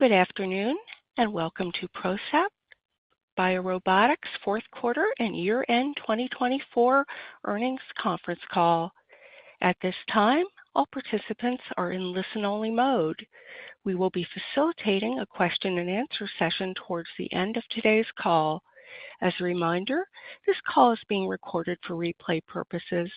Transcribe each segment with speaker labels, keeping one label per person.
Speaker 1: Good afternoon and welcome to PROCEPT BioRobotics' Q4 and year-end 2024 earnings conference call. At this time, all participants are in listen-only mode. We will be facilitating a question-and-answer session towards the end of today's call. As a reminder, this call is being recorded for replay purposes.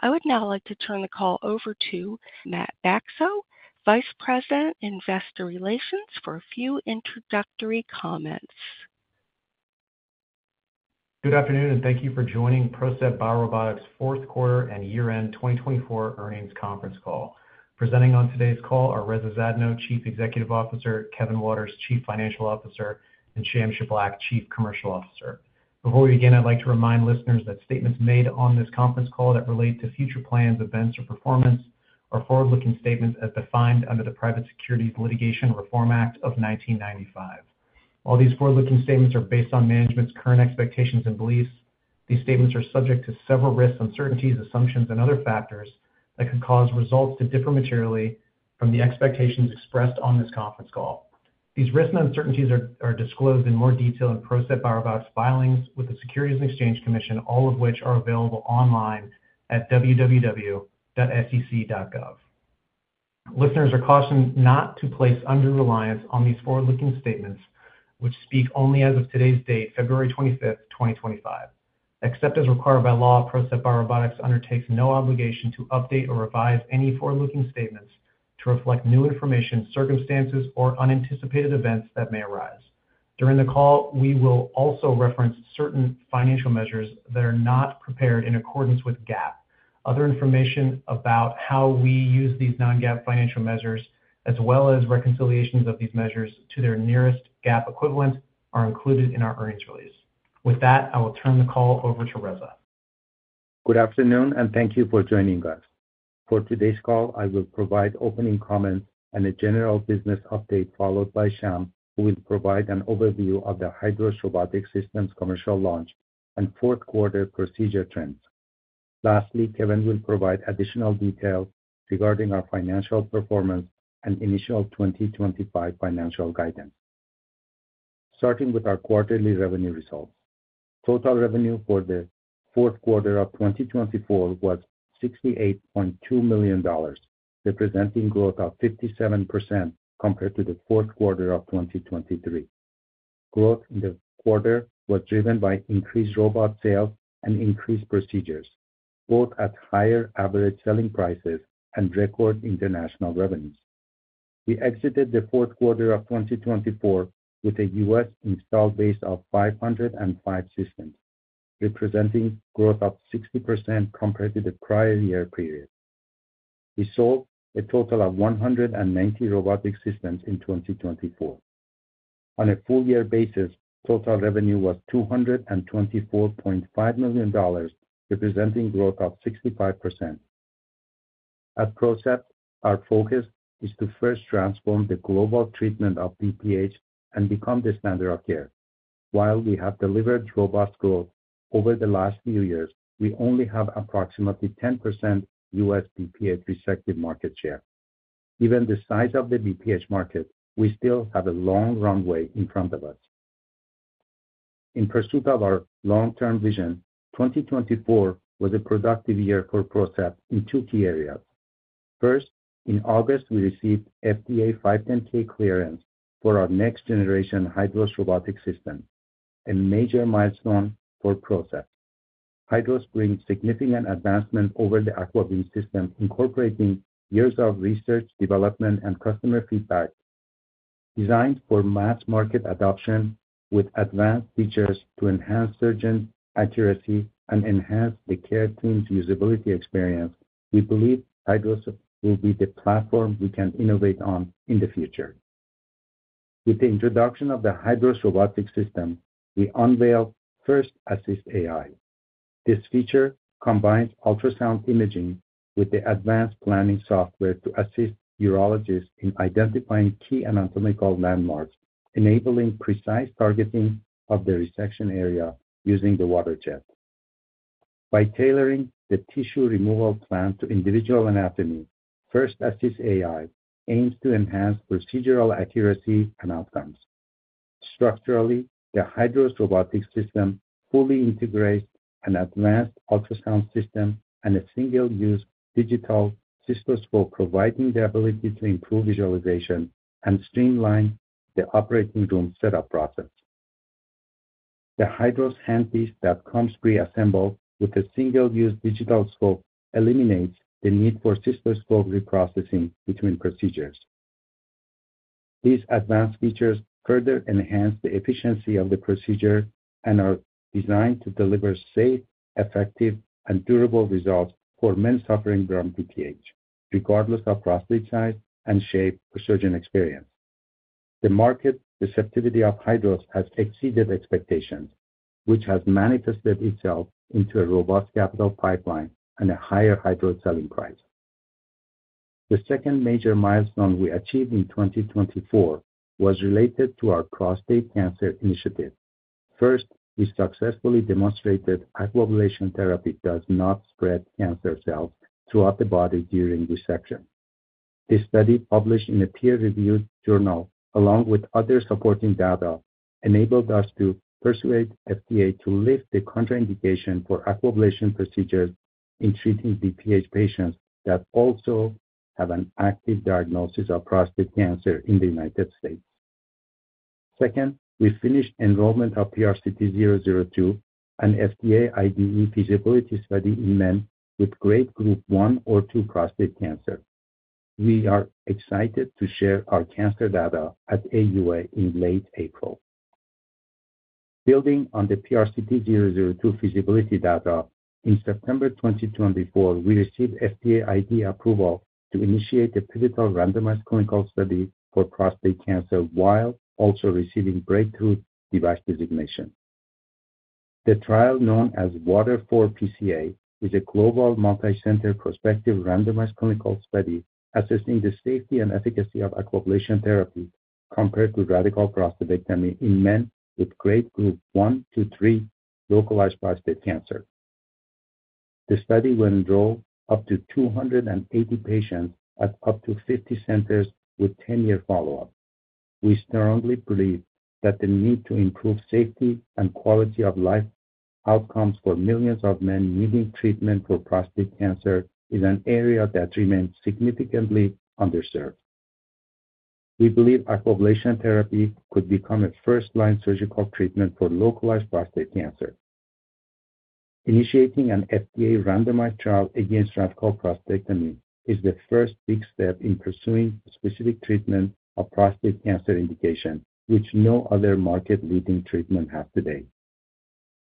Speaker 1: I would now like to turn the call over to Matt Bacso, Vice President, Investor Relations, for a few introductory comments.
Speaker 2: Good afternoon and thank you for joining PROCEPT BioRobotics' Q4 and year-end 2024 earnings conference call. Presenting on today's call are Reza Zadno, Chief Executive Officer, Kevin Waters, Chief Financial Officer, and Sham Shiblaq, Chief Commercial Officer. Before we begin, I'd like to remind listeners that statements made on this conference call that relate to future plans, events, or performance are forward-looking statements as defined under the Private Securities Litigation Reform Act of 1995. While these forward-looking statements are based on management's current expectations and beliefs, these statements are subject to several risks, uncertainties, assumptions, and other factors that could cause results to differ materially from the expectations expressed on this conference call. These risks and uncertainties are disclosed in more detail in PROCEPT BioRobotics' filings with the Securities and Exchange Commission, all of which are available online at www.sec.gov. Listeners are cautioned not to place under reliance on these forward-looking statements, which speak only as of today's date, February 25th, 2025. Except as required by law, PROCEPT BioRobotics undertakes no obligation to update or revise any forward-looking statements to reflect new information, circumstances, or unanticipated events that may arise. During the call, we will also reference certain financial measures that are not prepared in accordance with GAAP. Other information about how we use these non-GAAP financial measures, as well as reconciliations of these measures to their nearest GAAP equivalent, are included in our earnings release. With that, I will turn the call over to Reza.
Speaker 3: Good afternoon and thank you for joining us. For today's call, I will provide opening comments and a general business update followed by Sham, who will provide an overview of the HYDROS Robotic System's commercial launch and Q4 procedure trends. Lastly, Kevin will provide additional details regarding our financial performance and initial 2025 financial guidance. Starting with our quarterly revenue results, total revenue for the Q4 of 2024 was $68.2 million, representing growth of 57% compared to the Q4 of 2023. Growth in the quarter was driven by increased robot sales and increased procedures, both at higher average selling prices and record international revenues. We exited the Q4 of 2024 with a U.S. installed base of 505 systems, representing growth of 60% compared to the prior year period. We sold a total of 190 robotic systems in 2024. On a full-year basis, total revenue was $224.5 million, representing growth of 65%. At PROCEPT, our focus is to first transform the global treatment of BPH and become the standard of care. While we have delivered robust growth over the last few years, we only have approximately 10% U.S. BPH resective market share. Given the size of the BPH market, we still have a long runway in front of us. In pursuit of our long-term vision, 2024 was a productive year for PROCEPT in two key areas. First, in August, we received FDA 510(k) clearance for our next-generation HYDROS Robotic System, a major milestone for PROCEPT. HYDROS brings significant advancement over the AquaBeam system, incorporating years of research, development, and customer feedback. Designed for mass market adoption with advanced features to enhance surgeon accuracy and enhance the care team's usability experience, we believe HYDROS will be the platform we can innovate on in the future. With the introduction of the HYDROS Robotic System, we unveiled FirstAssist AI. This feature combines ultrasound imaging with the advanced planning software to assist urologists in identifying key anatomical landmarks, enabling precise targeting of the resection area using the water jet. By tailoring the tissue removal plan to individual anatomy, FirstAssist AI aims to enhance procedural accuracy and outcomes. Structurally, the HYDROS Robotic System fully integrates an advanced ultrasound system and a single-use digital cystoscope, providing the ability to improve visualization and streamline the operating room setup process. The HYDROS handpiece that comes preassembled with a single-use digital scope eliminates the need for cystoscope reprocessing between procedures. These advanced features further enhance the efficiency of the procedure and are designed to deliver safe, effective, and durable results for men suffering from BPH, regardless of prostate size and shape or surgeon experience. The market receptivity of HYDROS has exceeded expectations, which has manifested itself into a robust capital pipeline and a higher HYDROS selling price. The second major milestone we achieved in 2024 was related to our prostate cancer initiative. First, we successfully demonstrated Aquablation therapy does not spread cancer cells throughout the body during resection. This study, published in a peer-reviewed journal along with other supporting data, enabled us to persuade FDA to lift the contraindication for Aquablation procedures in treating BPH patients that also have an active diagnosis of prostate cancer in the United States. Second, we finished enrollment of PRCT002, an FDA IDE feasibility study in men with grade group one or two prostate cancer. We are excited to share our cancer data at AUA in late April. Building on the PRCT002 feasibility data, in September 2024, we received FDA IDE approval to initiate a pivotal randomized clinical study for prostate cancer while also receiving breakthrough device designation. The trial, known as WATER IV PCa, is a global multi-center prospective randomized clinical study assessing the safety and efficacy of Aquablation therapy compared to radical prostatectomy in men with grade group one to three localized prostate cancer. The study will enroll up to 280 patients at up to 50 centers with 10-year follow-up. We strongly believe that the need to improve safety and quality of life outcomes for millions of men needing treatment for prostate cancer is an area that remains significantly underserved. We believe Aquablation therapy could become a first-line surgical treatment for localized prostate cancer. Initiating an FDA randomized trial against radical prostatectomy is the first big step in pursuing specific treatment of prostate cancer indication, which no other market-leading treatment has today.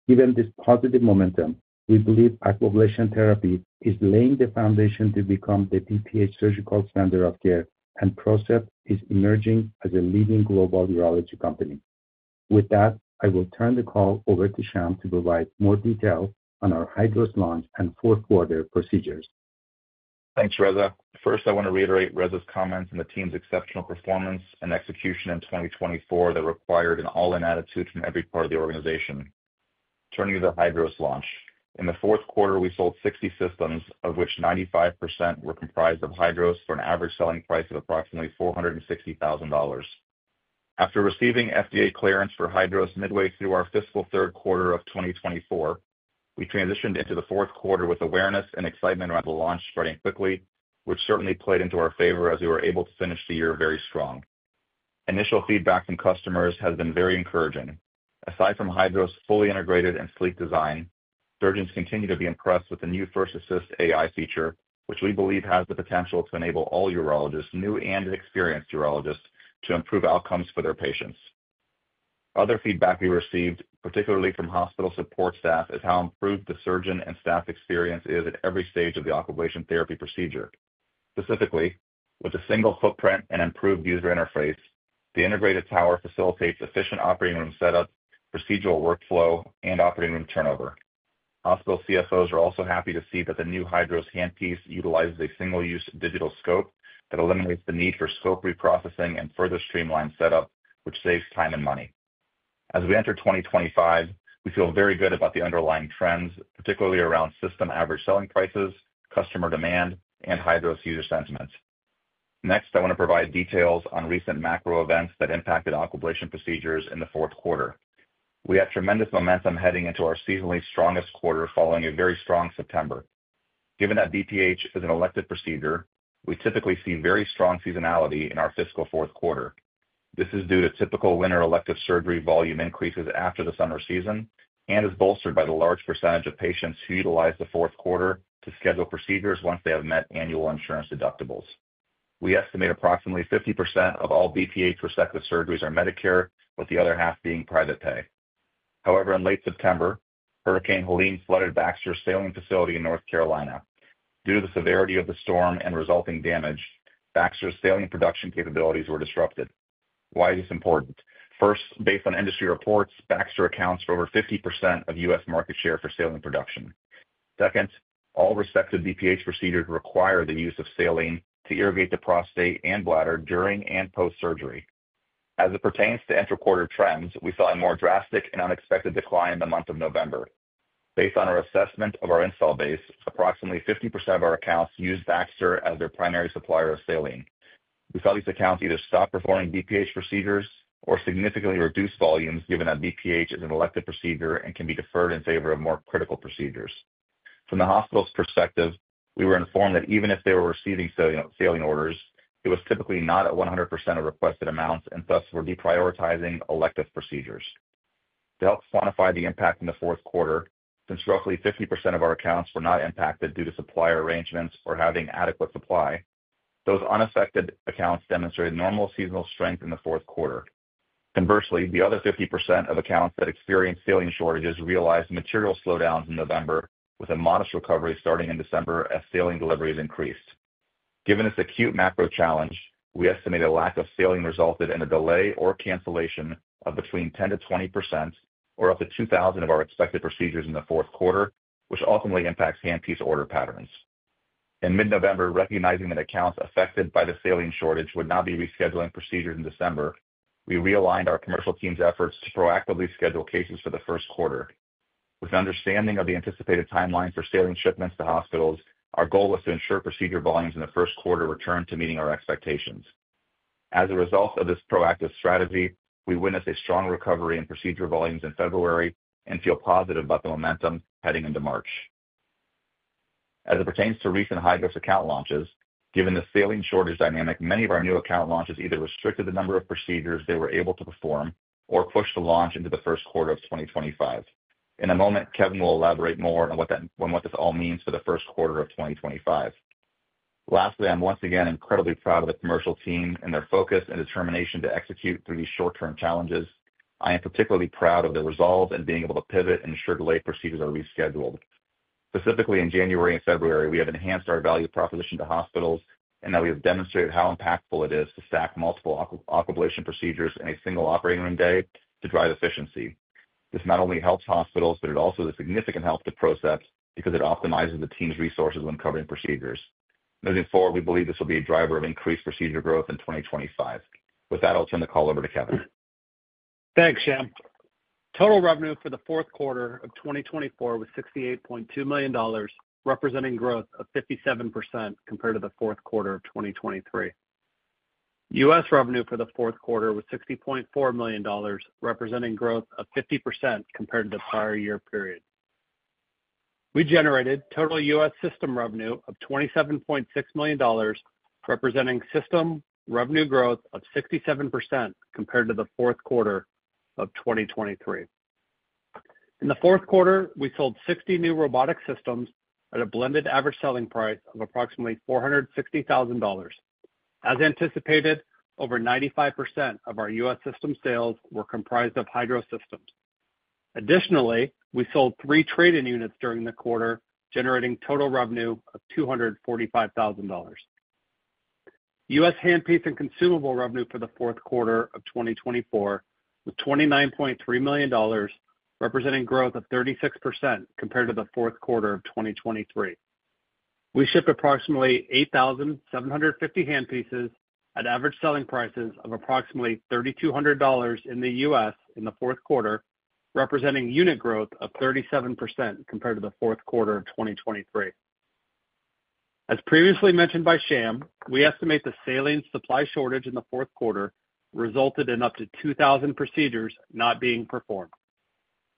Speaker 3: Given this positive momentum, we believe Aquablation therapy is laying the foundation to become the BPH surgical standard of care, and PROCEPT is emerging as a leading global urology company. With that, I will turn the call over to Sham to provide more details on our HYDROS launch and Q4 procedures.
Speaker 4: Thanks, Reza. First, I want to reiterate Reza's comments and the team's exceptional performance and execution in 2024 that required an all-in attitude from every part of the organization. Turning to the HYDROS launch, in the Q4, we sold 60 systems, of which 95% were comprised of HYDROS for an average selling price of approximately $460,000. After receiving FDA clearance for HYDROS midway through our fiscal third quarter of 2024, we transitioned into the Q4 with awareness and excitement around the launch spreading quickly, which certainly played into our favor as we were able to finish the year very strong. Initial feedback from customers has been very encouraging. Aside from HYDROS fully integrated and sleek design, surgeons continue to be impressed with the new FirstAssist AI feature, which we believe has the potential to enable all urologists, new and experienced urologists, to improve outcomes for their patients. Other feedback we received, particularly from hospital support staff, is how improved the surgeon and staff experience is at every stage of the Aquablation therapy procedure. Specifically, with a single footprint and improved user interface, the integrated tower facilitates efficient operating room setup, procedural workflow, and operating room turnover. Hospital CFOs are also happy to see that the new HYDROS handpiece utilizes a single-use digital scope that eliminates the need for scope reprocessing and further streamlined setup, which saves time and money. As we enter 2025, we feel very good about the underlying trends, particularly around system average selling prices, customer demand, and HYDROS user sentiments. Next, I want to provide details on recent macro events that impacted Aquablation procedures in the Q4. We had tremendous momentum heading into our seasonally strongest quarter following a very strong September. Given that BPH is an elective procedure, we typically see very strong seasonality in our fiscal Q4. This is due to typical winter elective surgery volume increases after the summer season and is bolstered by the large percentage of patients who utilize the Q4 to schedule procedures once they have met annual insurance deductibles. We estimate approximately 50% of all BPH resective surgeries are Medicare, with the other half being private pay. However, in late September, Hurricane Helene flooded Baxter's saline facility in North Carolina. Due to the severity of the storm and resulting damage, Baxter's saline production capabilities were disrupted. Why is this important? First, based on industry reports, Baxter accounts for over 50% of U.S. market share for saline production. Second, all resective BPH procedures require the use of saline to irrigate the prostate and bladder during and post-surgery. As it pertains to interquarter trends, we saw a more drastic and unexpected decline in the month of November. Based on our assessment of our install base, approximately 50% of our accounts used Baxter as their primary supplier of saline. We saw these accounts either stop performing BPH procedures or significantly reduce volumes given that BPH is an elective procedure and can be deferred in favor of more critical procedures. From the hospital's perspective, we were informed that even if they were receiving saline orders, it was typically not at 100% of requested amounts and thus were deprioritizing elective procedures. To help quantify the impact in the Q4, since roughly 50% of our accounts were not impacted due to supplier arrangements or having adequate supply, those unaffected accounts demonstrated normal seasonal strength in the Q4. Conversely, the other 50% of accounts that experienced saline shortages realized material slowdowns in November, with a modest recovery starting in December as saline deliveries increased. Given this acute macro challenge, we estimate a lack of saline resulted in a delay or cancellation of between 10%-20% or up to 2,000 of our expected procedures in the Q4, which ultimately impacts handpiece order patterns. In mid-November, recognizing that accounts affected by the saline shortage would not be rescheduling procedures in December, we realigned our commercial team's efforts to proactively schedule cases for the Q1. With an understanding of the anticipated timeline for saline shipments to hospitals, our goal was to ensure procedure volumes in the Q1 returned to meeting our expectations. As a result of this proactive strategy, we witnessed a strong recovery in procedure volumes in February and feel positive about the momentum heading into March. As it pertains to recent HYDROS account launches, given the saline shortage dynamic, many of our new account launches either restricted the number of procedures they were able to perform or pushed the launch into the Q1 of 2025. In a moment, Kevin will elaborate more on what this all means for the Q1 of 2025. Lastly, I'm once again incredibly proud of the commercial team and their focus and determination to execute through these short-term challenges. I am particularly proud of their resolve in being able to pivot and ensure delayed procedures are rescheduled. Specifically, in January and February, we have enhanced our value proposition to hospitals in that we have demonstrated how impactful it is to stack multiple Aquablation procedures in a single operating room day to drive efficiency. This not only helps hospitals, but it also is a significant help to PROCEPT because it optimizes the team's resources when covering procedures. Moving forward, we believe this will be a driver of increased procedure growth in 2025. With that, I'll turn the call over to Kevin.
Speaker 5: Thanks, Sham. Total revenue for the Q4 of 2024 was $68.2 million, representing growth of 57% compared to the Q4 of 2023. U.S. revenue for the Q4 was $60.4 million, representing growth of 50% compared to the prior year period. We generated total U.S. system revenue of $27.6 million, representing system revenue growth of 67% compared to the Q4 of 2023. In the Q4, we sold 60 new robotic systems at a blended average selling price of approximately $460,000. As anticipated, over 95% of our U.S. system sales were comprised of HYDROS systems. Additionally, we sold three trading units during the quarter, generating total revenue of $245,000. U.S. handpiece and consumable revenue for the Q4 of 2024 was $29.3 million, representing growth of 36% compared to the Q4 of 2023. We shipped approximately 8,750 handpieces at average selling prices of approximately $3,200 in the U.S. in the Q4, representing unit growth of 37% compared to the Q4 of 2023. As previously mentioned by Sham, we estimate the saline supply shortage in the Q4 resulted in up to 2,000 procedures not being performed.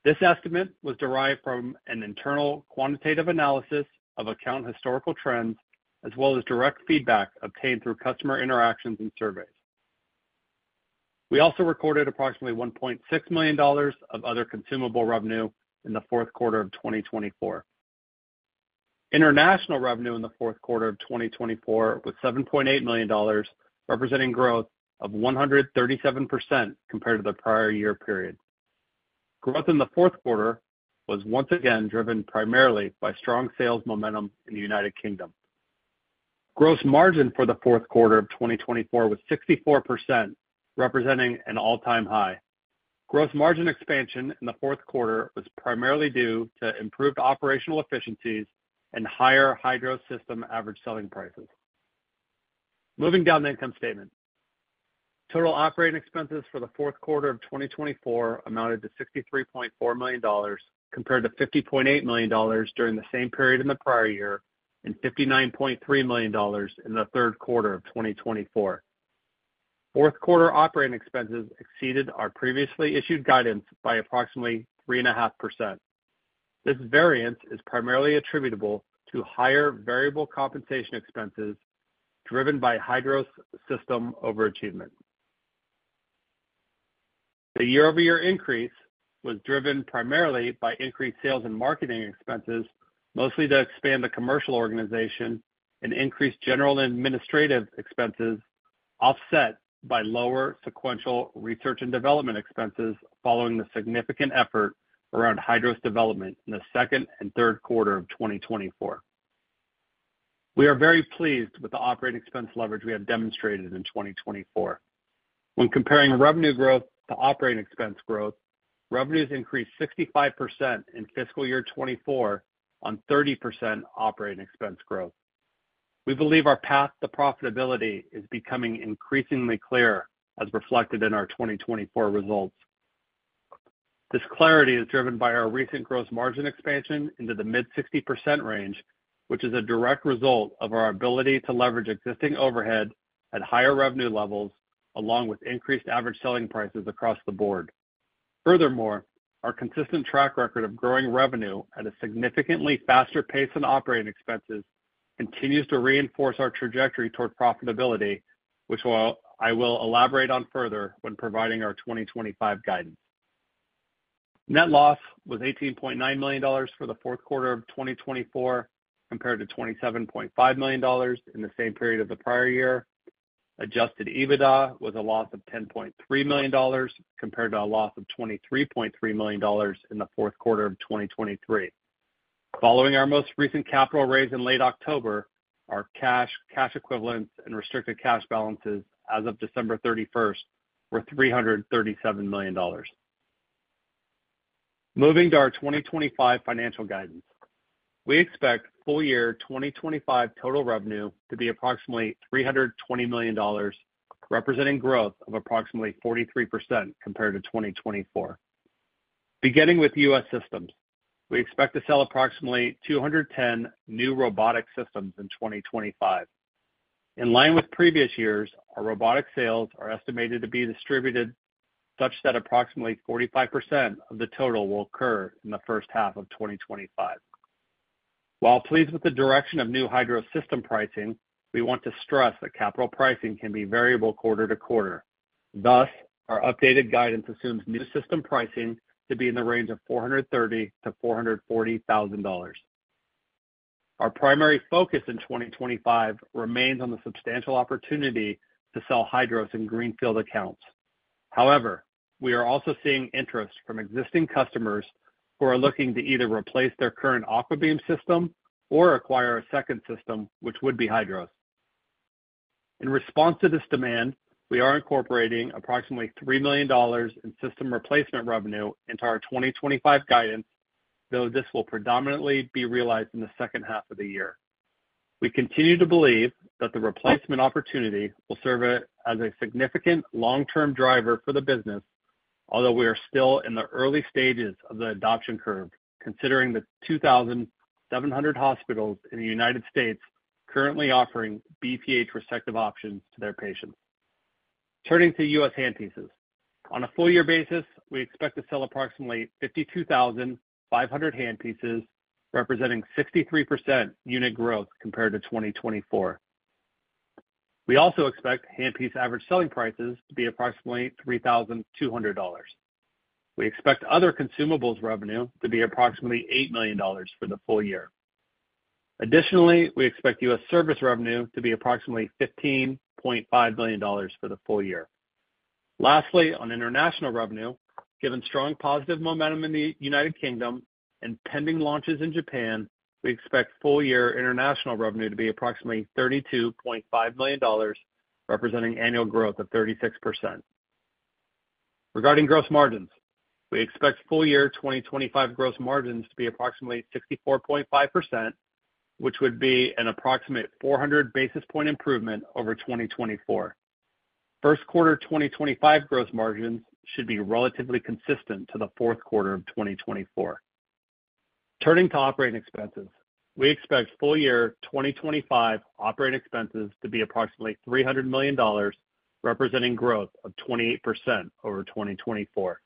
Speaker 5: This estimate was derived from an internal quantitative analysis of account historical trends, as well as direct feedback obtained through customer interactions and surveys. We also recorded approximately $1.6 million of other consumable revenue in the Q4 of 2024. International revenue in the Q4 of 2024 was $7.8 million, representing growth of 137% compared to the prior year period. Growth in the Q4 was once again driven primarily by strong sales momentum in the United Kingdom. Gross margin for the Q4 of 2024 was 64%, representing an all-time high. Gross margin expansion in the Q4 was primarily due to improved operational efficiencies and higher HYDROS system average selling prices. Moving down the income statement, total operating expenses for the Q4 of 2024 amounted to $63.4 million compared to $50.8 million during the same period in the prior year and $59.3 million in the third quarter of 2024. Q4 operating expenses exceeded our previously issued guidance by approximately 3.5%. This variance is primarily attributable to higher variable compensation expenses driven by HYDROS system overachievement. The year-over-year increase was driven primarily by increased sales and marketing expenses, mostly to expand the commercial organization and increased general and administrative expenses, offset by lower sequential research and development expenses following the significant effort around HYDROS development in the second and third quarter of 2024. We are very pleased with the operating expense leverage we have demonstrated in 2024. When comparing revenue growth to operating expense growth, revenues increased 65% in fiscal year 2024 on 30% operating expense growth. We believe our path to profitability is becoming increasingly clear as reflected in our 2024 results. This clarity is driven by our recent gross margin expansion into the mid-60% range, which is a direct result of our ability to leverage existing overhead at higher revenue levels, along with increased average selling prices across the board. Furthermore, our consistent track record of growing revenue at a significantly faster pace than operating expenses continues to reinforce our trajectory toward profitability, which I will elaborate on further when providing our 2025 guidance. Net loss was $18.9 million for the Q4 of 2024 compared to $27.5 million in the same period of the prior year. Adjusted EBITDA was a loss of $10.3 million compared to a loss of $23.3 million in the Q4 of 2023. Following our most recent capital raise in late October, our cash, cash equivalents, and restricted cash balances as of December 31st were $337 million. Moving to our 2025 financial guidance, we expect full year 2025 total revenue to be approximately $320 million, representing growth of approximately 43% compared to 2024. Beginning with U.S. systems, we expect to sell approximately 210 new robotic systems in 2025. In line with previous years, our robotic sales are estimated to be distributed such that approximately 45% of the total will occur in the first half of 2025. While pleased with the direction of new HYDROS system pricing, we want to stress that capital pricing can be variable quarter to quarter. Thus, our updated guidance assumes new system pricing to be in the range of $430 to 440 thousand. Our primary focus in 2025 remains on the substantial opportunity to sell HYDROS and greenfield accounts. However, we are also seeing interest from existing customers who are looking to either replace their current AquaBeam system or acquire a second system, which would be HYDROS. In response to this demand, we are incorporating approximately $3 million in system replacement revenue into our 2025 guidance, though this will predominantly be realized in the second half of the year. We continue to believe that the replacement opportunity will serve as a significant long-term driver for the business, although we are still in the early stages of the adoption curve, considering the 2,700 hospitals in the United States currently offering BPH resection options to their patients. Turning to U.S. handpieces, on a full year basis, we expect to sell approximately 52,500 handpieces, representing 63% unit growth compared to 2024. We also expect handpiece average selling prices to be approximately $3,200. We expect other consumables revenue to be approximately $8 million for the full year. Additionally, we expect U.S. service revenue to be approximately $15.5 million for the full year. Lastly, on international revenue, given strong positive momentum in the United Kingdom and pending launches in Japan, we expect full year international revenue to be approximately $32.5 million, representing annual growth of 36%. Regarding gross margins, we expect full year 2025 gross margins to be approximately 64.5%, which would be an approximate 400 basis point improvement over 2024. Q1 2025 gross margins should be relatively consistent to the Q4 of 2024. Turning to operating expenses, we expect full year 2025 operating expenses to be approximately $300 million, representing growth of 28% over 2024.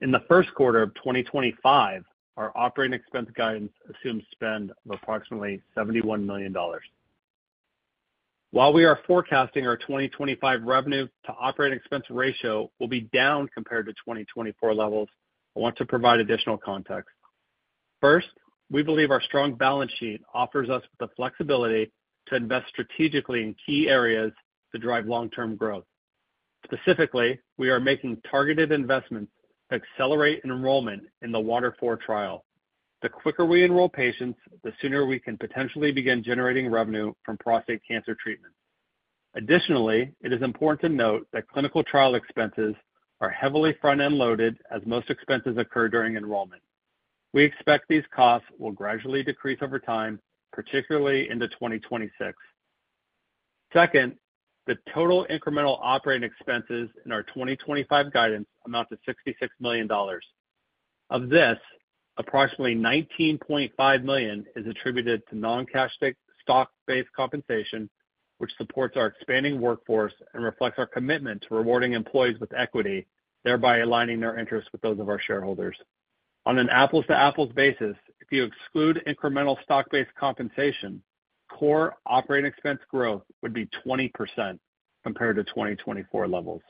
Speaker 5: In the Q1 of 2025, our operating expense guidance assumes spend of approximately $71 million. While we are forecasting our 2025 revenue to operating expense ratio will be down compared to 2024 levels, I want to provide additional context. First, we believe our strong balance sheet offers us the flexibility to invest strategically in key areas to drive long-term growth. Specifically, we are making targeted investments to accelerate enrollment in the WATER IV trial. The quicker we enroll patients, the sooner we can potentially begin generating revenue from prostate cancer treatment. Additionally, it is important to note that clinical trial expenses are heavily front-end loaded, as most expenses occur during enrollment. We expect these costs will gradually decrease over time, particularly into 2026. Second, the total incremental operating expenses in our 2025 guidance amount to $66 million. Of this, approximately $19.5 million is attributed to non-cash stock-based compensation, which supports our expanding workforce and reflects our commitment to rewarding employees with equity, thereby aligning their interests with those of our shareholders. On an apples-to-apples basis, if you exclude incremental stock-based compensation, core operating expense growth would be 20% compared to 2024 levels.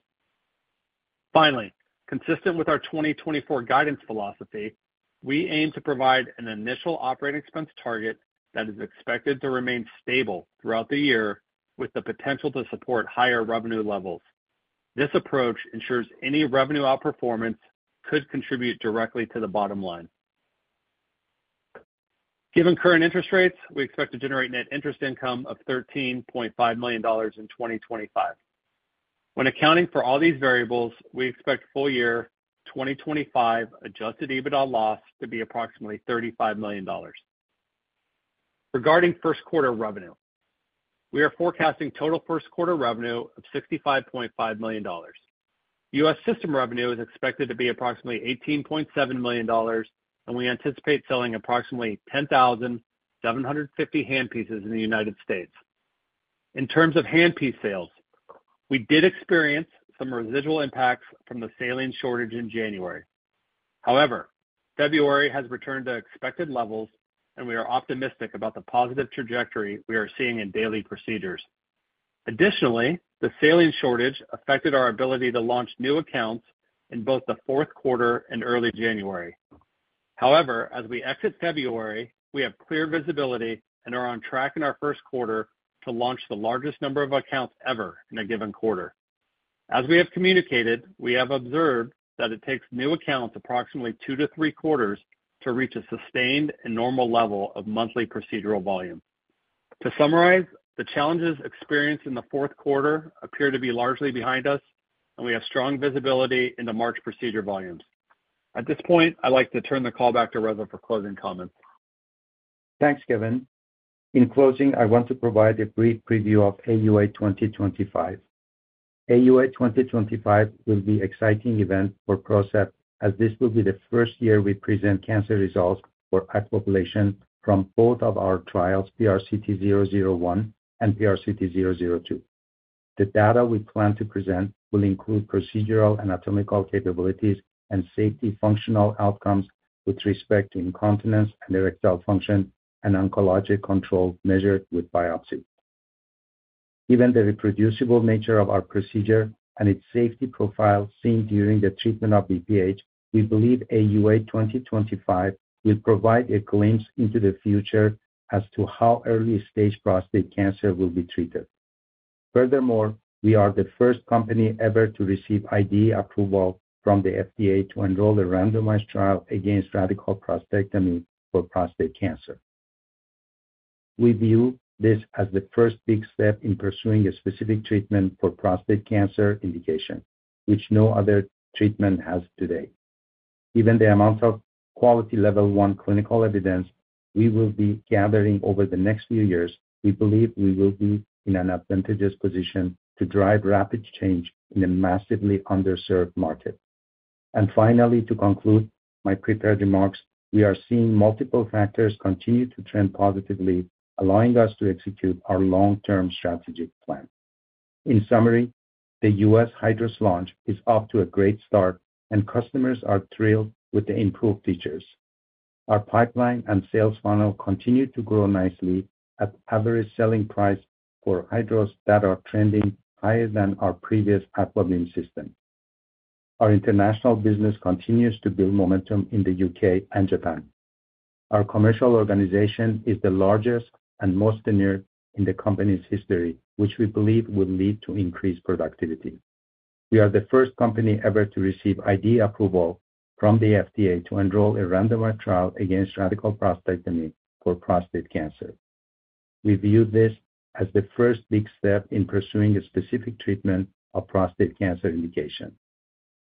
Speaker 5: Finally, consistent with our 2024 guidance philosophy, we aim to provide an initial operating expense target that is expected to remain stable throughout the year, with the potential to support higher revenue levels. This approach ensures any revenue outperformance could contribute directly to the bottom line. Given current interest rates, we expect to generate net interest income of $13.5 million in 2025. When accounting for all these variables, we expect full year 2025 Adjusted EBITDA loss to be approximately $35 million. Regarding Q1 revenue, we are forecasting total Q1 revenue of $65.5 million. U.S. system revenue is expected to be approximately $18.7 million, and we anticipate selling approximately 10,750 handpieces in the United States. In terms of handpiece sales, we did experience some residual impacts from the saline shortage in January. However, February has returned to expected levels, and we are optimistic about the positive trajectory we are seeing in daily procedures. Additionally, the saline shortage affected our ability to launch new accounts in both the Q4 and early January. However, as we exit February, we have clear visibility and are on track in our Q1 to launch the largest number of accounts ever in a given quarter. As we have communicated, we have observed that it takes new accounts approximately two to three quarters to reach a sustained and normal level of monthly procedural volume. To summarize, the challenges experienced in the Q4 appear to be largely behind us, and we have strong visibility into March procedure volumes. At this point, I'd like to turn the call back to Reza for closing comments.
Speaker 3: Thanks, Kevin. In closing, I want to provide a brief preview of AUA 2025. AUA 2025 will be an exciting event for PROCEPT, as this will be the first year we present cancer results for our population from both of our trials, PRCT001 and PRCT002. The data we plan to present will include procedural anatomical capabilities and safety functional outcomes with respect to incontinence and erectile function and oncologic control measured with biopsy. Given the reproducible nature of our procedure and its safety profile seen during the treatment of BPH, we believe AUA 2025 will provide a glimpse into the future as to how early-stage prostate cancer will be treated. Furthermore, we are the first company ever to receive IDE approval from the FDA to enroll a randomized trial against radical prostatectomy for prostate cancer. We view this as the first big step in pursuing a specific treatment for prostate cancer indication, which no other treatment has today. Given the amount of quality level one clinical evidence we will be gathering over the next few years, we believe we will be in an advantageous position to drive rapid change in a massively underserved market. And finally, to conclude my prepared remarks, we are seeing multiple factors continue to trend positively, allowing us to execute our long-term strategy plan. In summary, the U.S. HYDROS launch is off to a great start, and customers are thrilled with the improved features. Our pipeline and sales funnel continue to grow nicely at average selling price for HYDROS that are trending higher than our previous AquaBeam system. Our international business continues to build momentum in the U.K. and Japan. Our commercial organization is the largest and most tenured in the company's history, which we believe will lead to increased productivity. We are the first company ever to receive IDE approval from the FDA to enroll a randomized trial against radical prostatectomy for prostate cancer. We view this as the first big step in pursuing a specific treatment of prostate cancer indication.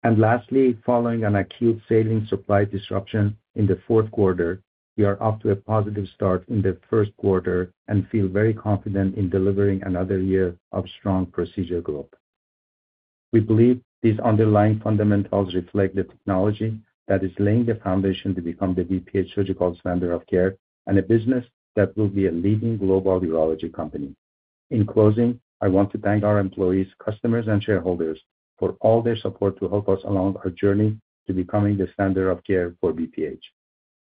Speaker 3: And lastly, following an acute saline supply disruption in the Q4, we are off to a positive start in the Q1 and feel very confident in delivering another year of strong procedure growth. We believe these underlying fundamentals reflect the technology that is laying the foundation to become the BPH surgical standard of care and a business that will be a leading global urology company. In closing, I want to thank our employees, customers, and shareholders for all their support to help us along our journey to becoming the standard of care for BPH.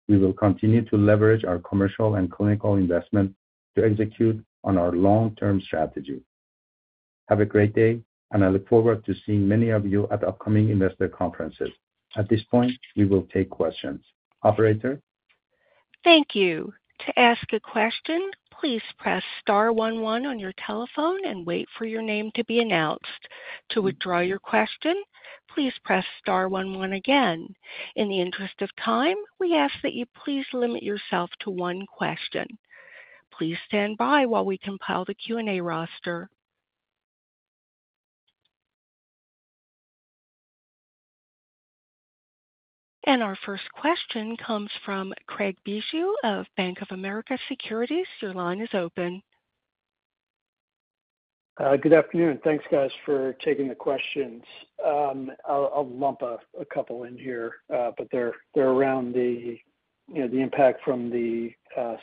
Speaker 3: We will continue to leverage our commercial and clinical investment to execute on our long-term strategy. Have a great day, and I look forward to seeing many of you at upcoming investor conferences. At this point, we will take questions. Operator?
Speaker 1: Thank you. To ask a question, please press star one one on your telephone and wait for your name to be announced. To withdraw your question, please press star one one again. In the interest of time, we ask that you please limit yourself to one question. Please stand by while we compile the Q&A roster. Our first question comes from Craig Bijou of Bank of America Securities. Your line is open.
Speaker 6: Good afternoon. Thanks, guys, for taking the questions. I'll lump a couple in here, but they're around the impact from the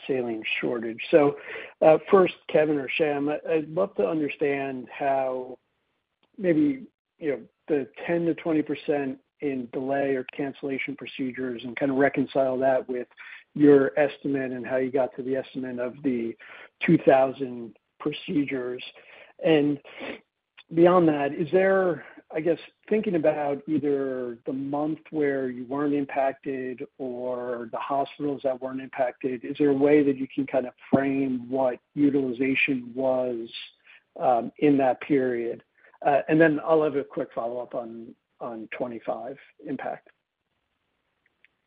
Speaker 6: saline shortage. First, Kevin or Sham, I'd love to understand how maybe the 10% to 20% in delay or cancellation procedures and kind of reconcile that with your estimate and how you got to the estimate of the 2,000 procedures. Beyond that, is there, I guess, thinking about either the month where you weren't impacted or the hospitals that weren't impacted, is there a way that you can kind of frame what utilization was in that period? Then I'll have a quick follow-up on 2025 impact.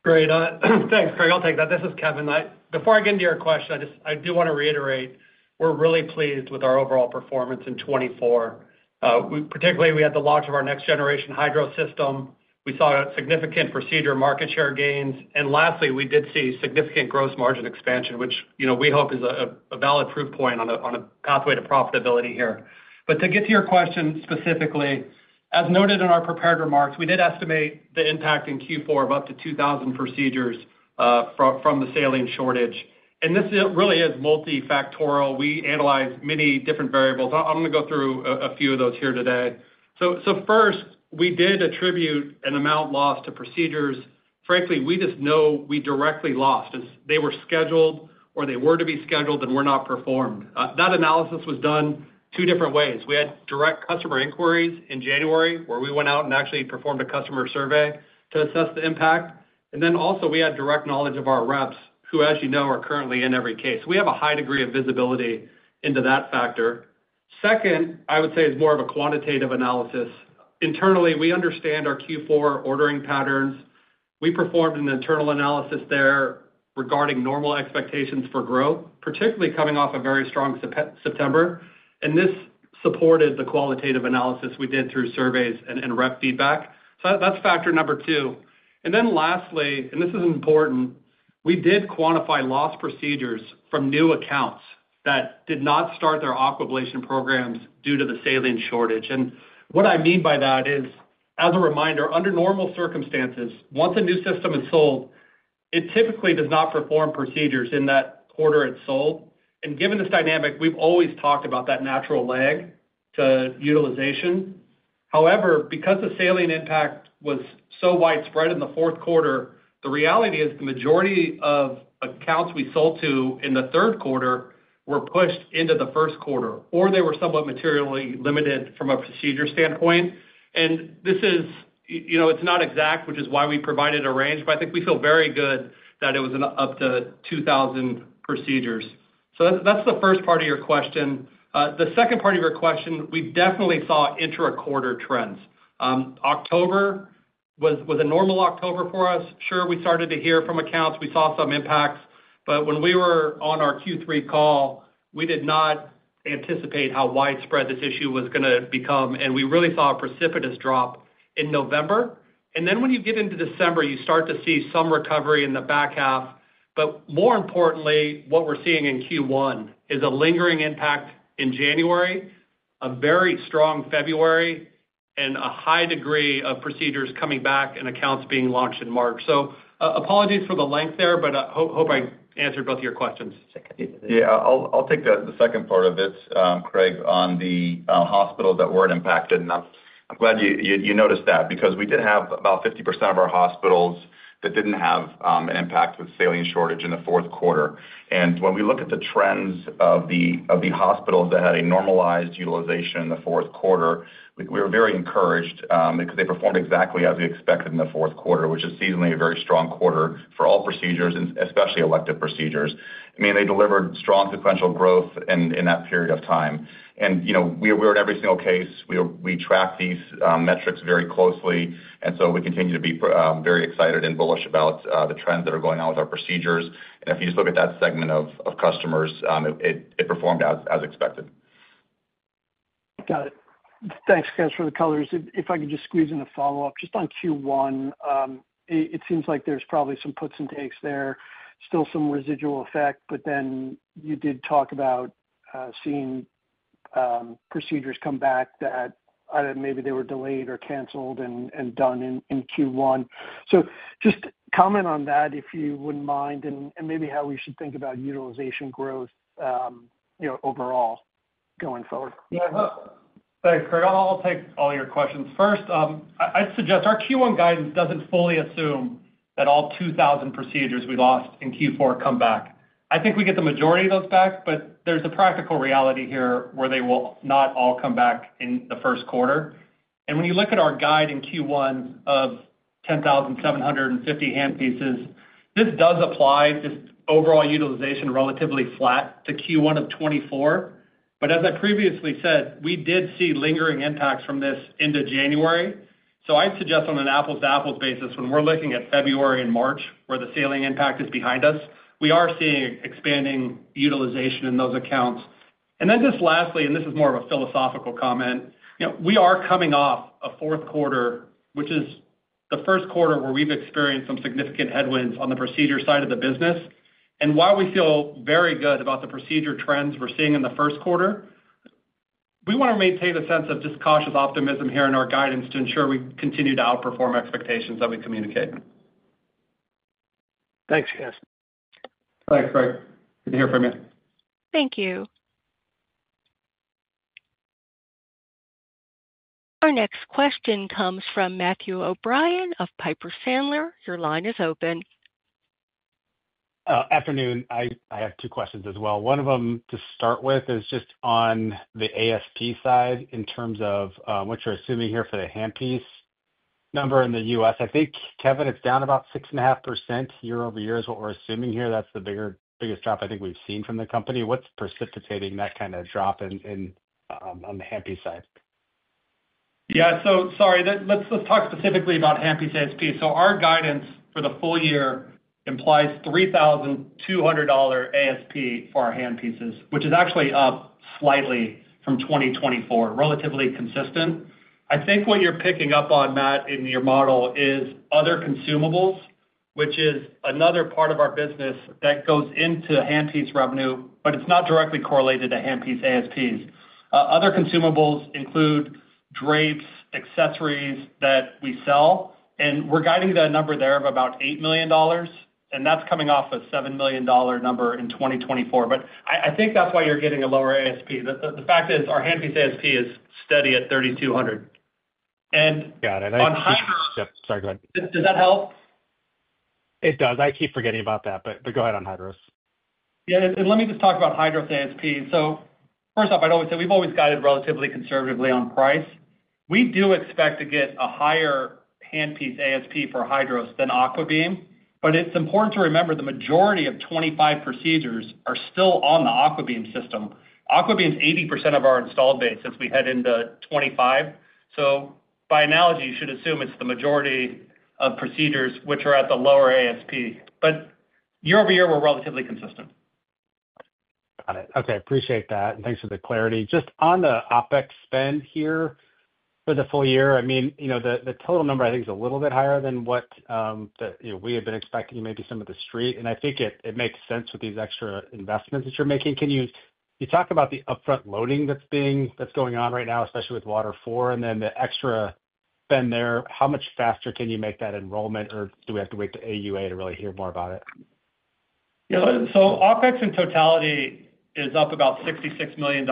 Speaker 5: Great. Thanks, Craig. I'll take that. This is Kevin. Before I get into your question, I do want to reiterate we're really pleased with our overall performance in 2024. Particularly, we had the launch of our next-generation HYDROS system. We saw significant procedure market share gains. And lastly, we did see significant gross margin expansion, which we hope is a valid proof point on a pathway to profitability here. But to get to your question specifically, as noted in our prepared remarks, we did estimate the impact in Q4 of up to 2,000 procedures from the saline shortage. And this really is multifactorial. We analyzed many different variables. I'm going to go through a few of those here today. So first, we did attribute an amount lost to procedures. Frankly, we just know we directly lost as they were scheduled or they were to be scheduled and were not performed. That analysis was done two different ways. We had direct customer inquiries in January where we went out and actually performed a customer survey to assess the impact. And then also, we had direct knowledge of our reps who, as you know, are currently in every case. We have a high degree of visibility into that factor. Second, I would say is more of a quantitative analysis. Internally, we understand our Q4 ordering patterns. We performed an internal analysis there regarding normal expectations for growth, particularly coming off a very strong September. And this supported the qualitative analysis we did through surveys and rep feedback. So that's factor number two. And then lastly, and this is important, we did quantify lost procedures from new accounts that did not start their Aquablation programs due to the saline shortage. What I mean by that is, as a reminder, under normal circumstances, once a new system is sold, it typically does not perform procedures in that quarter it's sold. Given this dynamic, we've always talked about that natural lag to utilization. However, because the saline impact was so widespread in the Q4, the reality is the majority of accounts we sold to in the third quarter were pushed into the Q1, or they were somewhat materially limited from a procedure standpoint. It's not exact, which is why we provided a range, but I think we feel very good that it was up to 2,000 procedures. So that's the first part of your question. The second part of your question, we definitely saw inter-quarter trends. October was a normal October for us. Sure, we started to hear from accounts. We saw some impacts. When we were on our Q3 call, we did not anticipate how widespread this issue was going to become. We really saw a precipitous drop in November. Then when you get into December, you start to see some recovery in the back half. But more importantly, what we're seeing in Q1 is a lingering impact in January, a very strong February, and a high degree of procedures coming back and accounts being launched in March. So apologies for the length there, but I hope I answered both of your questions.
Speaker 4: Yeah. I'll take the second part of this, Craig, on the hospitals that weren't impacted. I'm glad you noticed that because we did have about 50% of our hospitals that didn't have an impact with saline shortage in the Q4. When we look at the trends of the hospitals that had a normalized utilization in the Q4, we were very encouraged because they performed exactly as we expected in the Q4, which is seasonally a very strong quarter for all procedures, especially elective procedures. I mean, they delivered strong sequential growth in that period of time. And we're in every single case. We track these metrics very closely. And so we continue to be very excited and bullish about the trends that are going on with our procedures. And if you just look at that segment of customers, it performed as expected.
Speaker 6: Got it. Thanks, Sham, for the colors. If I could just squeeze in a follow-up, just on Q1, it seems like there's probably some puts and takes there, still some residual effect, but then you did talk about seeing procedures come back that maybe they were delayed or canceled and done in Q1. So just comment on that, if you wouldn't mind, and maybe how we should think about utilization growth overall going forward?
Speaker 5: Thanks, Craig. I'll take all your questions. First, I'd suggest our Q1 guidance doesn't fully assume that all 2,000 procedures we lost in Q4 come back. I think we get the majority of those back, but there's a practical reality here where they will not all come back in the Q1. And when you look at our guide in Q1 of 10,750 handpieces, this does apply to overall utilization relatively flat to Q1 of 2024. But as I previously said, we did see lingering impacts from this into January. So I'd suggest on an apples-to-apples basis, when we're looking at February and March where the saline impact is behind us, we are seeing expanding utilization in those accounts. And then just lastly, and this is more of a philosophical comment, we are coming off a Q4, which is the Q1 where we've experienced some significant headwinds on the procedure side of the business. And while we feel very good about the procedure trends we're seeing in the Q1, we want to maintain a sense of just cautious optimism here in our guidance to ensure we continue to outperform expectations that we communicate.
Speaker 6: Thanks, guys.
Speaker 4: Thanks, Craig. Good to hear from you.
Speaker 1: Thank you. Our next question comes from Matthew O'Brien of Piper Sandler. Your line is open.
Speaker 7: Afternoon. I have two questions as well. One of them to start with is just on the ASP side in terms of what you're assuming here for the handpiece number in the U.S. I think, Kevin, it's down about 6.5% year over year is what we're assuming here. That's the biggest drop I think we've seen from the company. What's precipitating that kind of drop on the handpiece side?
Speaker 5: Yeah. So sorry, let's talk specifically about handpiece ASP. So our guidance for the full year implies $3,200 ASP for our handpieces, which is actually up slightly from 2024, relatively consistent. I think what you're picking up on, Matt, in your model is other consumables, which is another part of our business that goes into handpiece revenue, but it's not directly correlated to handpiece ASPs. Other consumables include drapes, accessories that we sell. We're guiding to a number there of about $8 million. That's coming off a $7 million number in 2024. But I think that's why you're getting a lower ASP. The fact is our handpiece ASP is steady at $3,200. And on HYDROS.
Speaker 7: Got it. Yep. Sorry. Go ahead.
Speaker 5: Does that help?
Speaker 7: It does. I keep forgetting about that. But go ahead on HYDROS.
Speaker 5: Yeah. And let me just talk about HYDROS ASP. So first off, I'd always say we've always guided relatively conservatively on price. We do expect to get a higher handpiece ASP for HYDROS than AquaBeam. But it's important to remember the majority of 2025 procedures are still on the AquaBeam system. AquaBeam's 80% of our installed base since we head into 2025. So by analogy, you should assume it's the majority of procedures which are at the lower ASP. But year over year, we're relatively consistent.
Speaker 7: Got it. Okay. Appreciate that. And thanks for the clarity. Just on the OpEx spend here for the full year, I mean, the total number I think is a little bit higher than what we had been expecting, maybe some of the street. And I think it makes sense with these extra investments that you're making. Can you talk about the upfront loading that's going on right now, especially with WATER IV, and then the extra spend there? How much faster can you make that enrollment, or do we have to wait to AUA to really hear more about it?
Speaker 5: Yeah. So OpEx in totality is up about $66 million.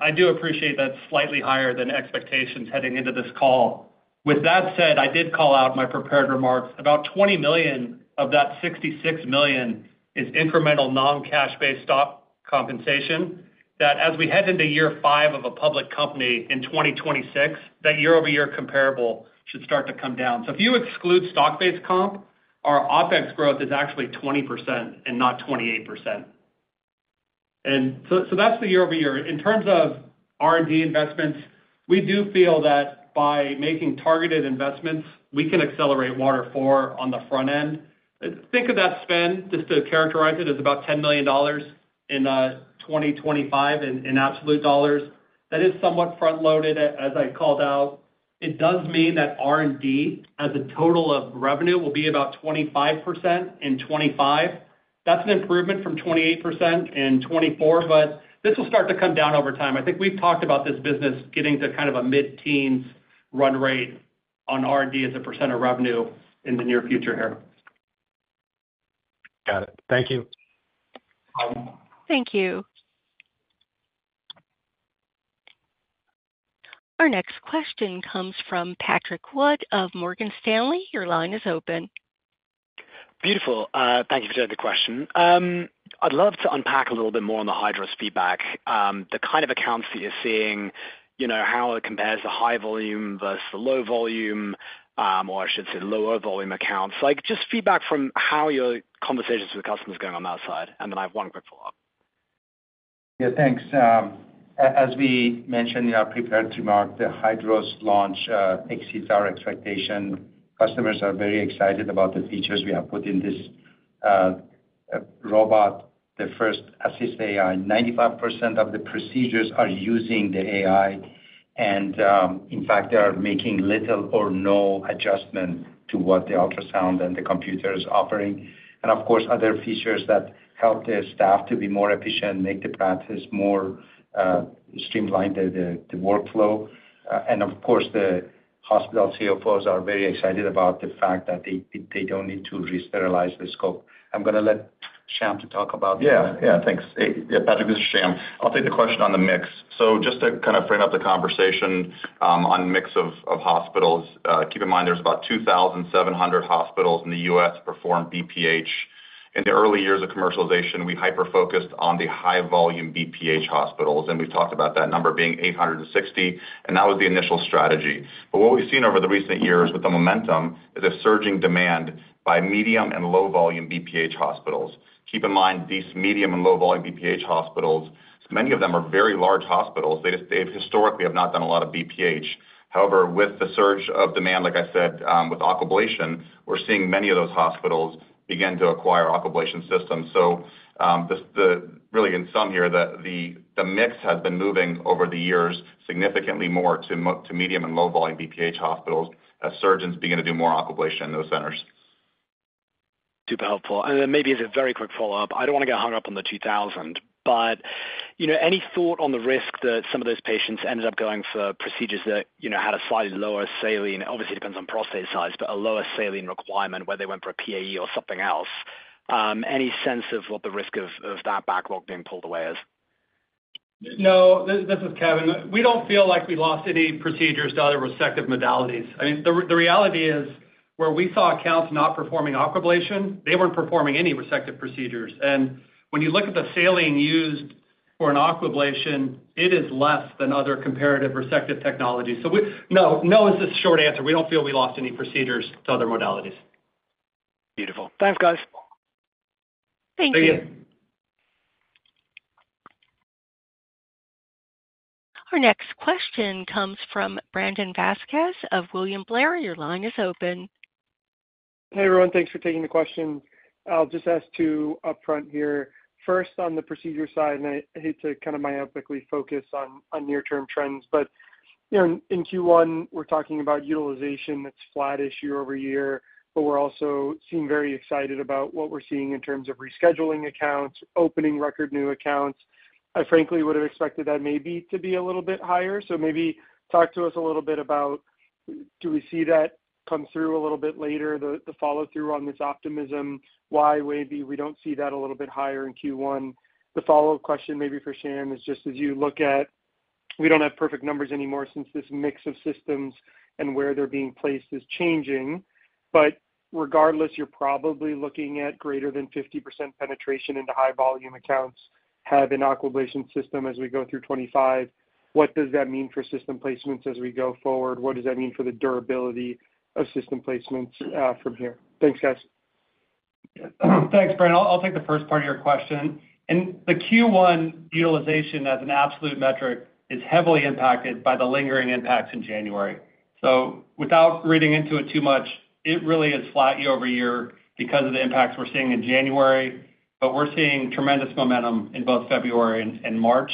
Speaker 5: I do appreciate that's slightly higher than expectations heading into this call. With that said, I did call out in my prepared remarks that about $20 million of that $66 million is incremental non-cash-based stock compensation that, as we head into year five of a public company in 2026, that year-over-year comparable should start to come down. So if you exclude stock-based comp, our OpEx growth is actually 20% and not 28%. And so that's the year-over-year. In terms of R&D investments, we do feel that by making targeted investments, we can accelerate WATER IV on the front end. Think of that spend, just to characterize it, as about $10 million in 2025 in absolute dollars. That is somewhat front-loaded, as I called out. It does mean that R&D as a total of revenue will be about 25% in 2025. That's an improvement from 28% in 2024, but this will start to come down over time. I think we've talked about this business getting to kind of a mid-teens run rate on R&D as a percent of revenue in the near future here.
Speaker 8: Got it. Thank you.
Speaker 1: Thank you. Our next question comes from Patrick Wood of Morgan Stanley. Your line is open.
Speaker 8: Beautiful. Thank you for taking the question. I'd love to unpack a little bit more on the HYDROS feedback, the kind of accounts that you're seeing, how it compares the high volume versus the low volume, or I should say lower volume accounts. Just feedback from how your conversations with customers are going on that side. And then I have one quick follow-up.
Speaker 3: Yeah. Thanks. As we mentioned, I prepared to remark that HYDROS launch exceeds our expectation. Customers are very excited about the features we have put in this robot, the FirstAssist AI. 95% of the procedures are using the AI. In fact, they are making little or no adjustment to what the ultrasound and the computer is offering. And of course, other features that help the staff to be more efficient, make the practice more streamlined, the workflow. And of course, the hospital CFOs are very excited about the fact that they don't need to re-sterilize the scope. I'm going to let Sham to talk about that.
Speaker 4: Yeah. Yeah. Thanks. Yeah. Patrick, this is Sham. I'll take the question on the mix. So just to kind of frame up the conversation on mix of hospitals, keep in mind there's about 2,700 hospitals in the U.S. perform BPH. In the early years of commercialization, we hyper-focused on the high-volume BPH hospitals. And we've talked about that number being 860. And that was the initial strategy. But what we've seen over the recent years with the momentum is a surging demand by medium and low-volume BPH hospitals. Keep in mind these medium and low-volume BPH hospitals, many of them are very large hospitals. They historically have not done a lot of BPH. However, with the surge of demand, like I said, with Aquablation, we're seeing many of those hospitals begin to acquire Aquablation systems. So really, in sum here, the mix has been moving over the years significantly more to medium and low-volume BPH hospitals as surgeons begin to do more Aquablation in those centers.
Speaker 8: Super helpful. And then maybe as a very quick follow-up, I don't want to get hung up on the 2,000, but any thought on the risk that some of those patients ended up going for procedures that had a slightly lower saline? Obviously, it depends on prostate size, but a lower saline requirement where they went for a PAE or something else. Any sense of what the risk of that backlog being pulled away is?
Speaker 5: No. This is Kevin. We don't feel like we lost any procedures to other resective modalities. I mean, the reality is where we saw accounts not performing Aquablation, they weren't performing any resective procedures. And when you look at the saline used for an Aquablation, it is less than other comparative resective technologies. So no, no is the short answer. We don't feel we lost any procedures to other modalities.
Speaker 8: Beautiful. Thanks, guys.
Speaker 5: Thank you.
Speaker 1: Thank you. Our next question comes from Brandon Vazquez of William Blair. Your line is open.
Speaker 9: Hey, everyone. Thanks for taking the question. I'll just ask two upfront here. First, on the procedure side, and I hate to kind of myopically focus on near-term trends, but in Q1, we're talking about utilization that's flat-ish year over year, but we're also seeing very excited about what we're seeing in terms of rescheduling accounts, opening record new accounts. I frankly would have expected that maybe to be a little bit higher. So maybe talk to us a little bit about, do we see that come through a little bit later, the follow-through on this optimism? Why, maybe we don't see that a little bit higher in Q1? The follow-up question maybe for Sham is just as you look at, we don't have perfect numbers anymore since this mix of systems and where they're being placed is changing. But regardless, you're probably looking at greater than 50% penetration into high-volume accounts have an Aquablation system as we go through 2025. What does that mean for system placements as we go forward? What does that mean for the durability of system placements from here? Thanks, guys.
Speaker 5: Thanks, Brandon. I'll take the first part of your question, and the Q1 utilization as an absolute metric is heavily impacted by the lingering impacts in January. So without reading into it too much, it really is flat year over year because of the impacts we're seeing in January, but we're seeing tremendous momentum in both February and March.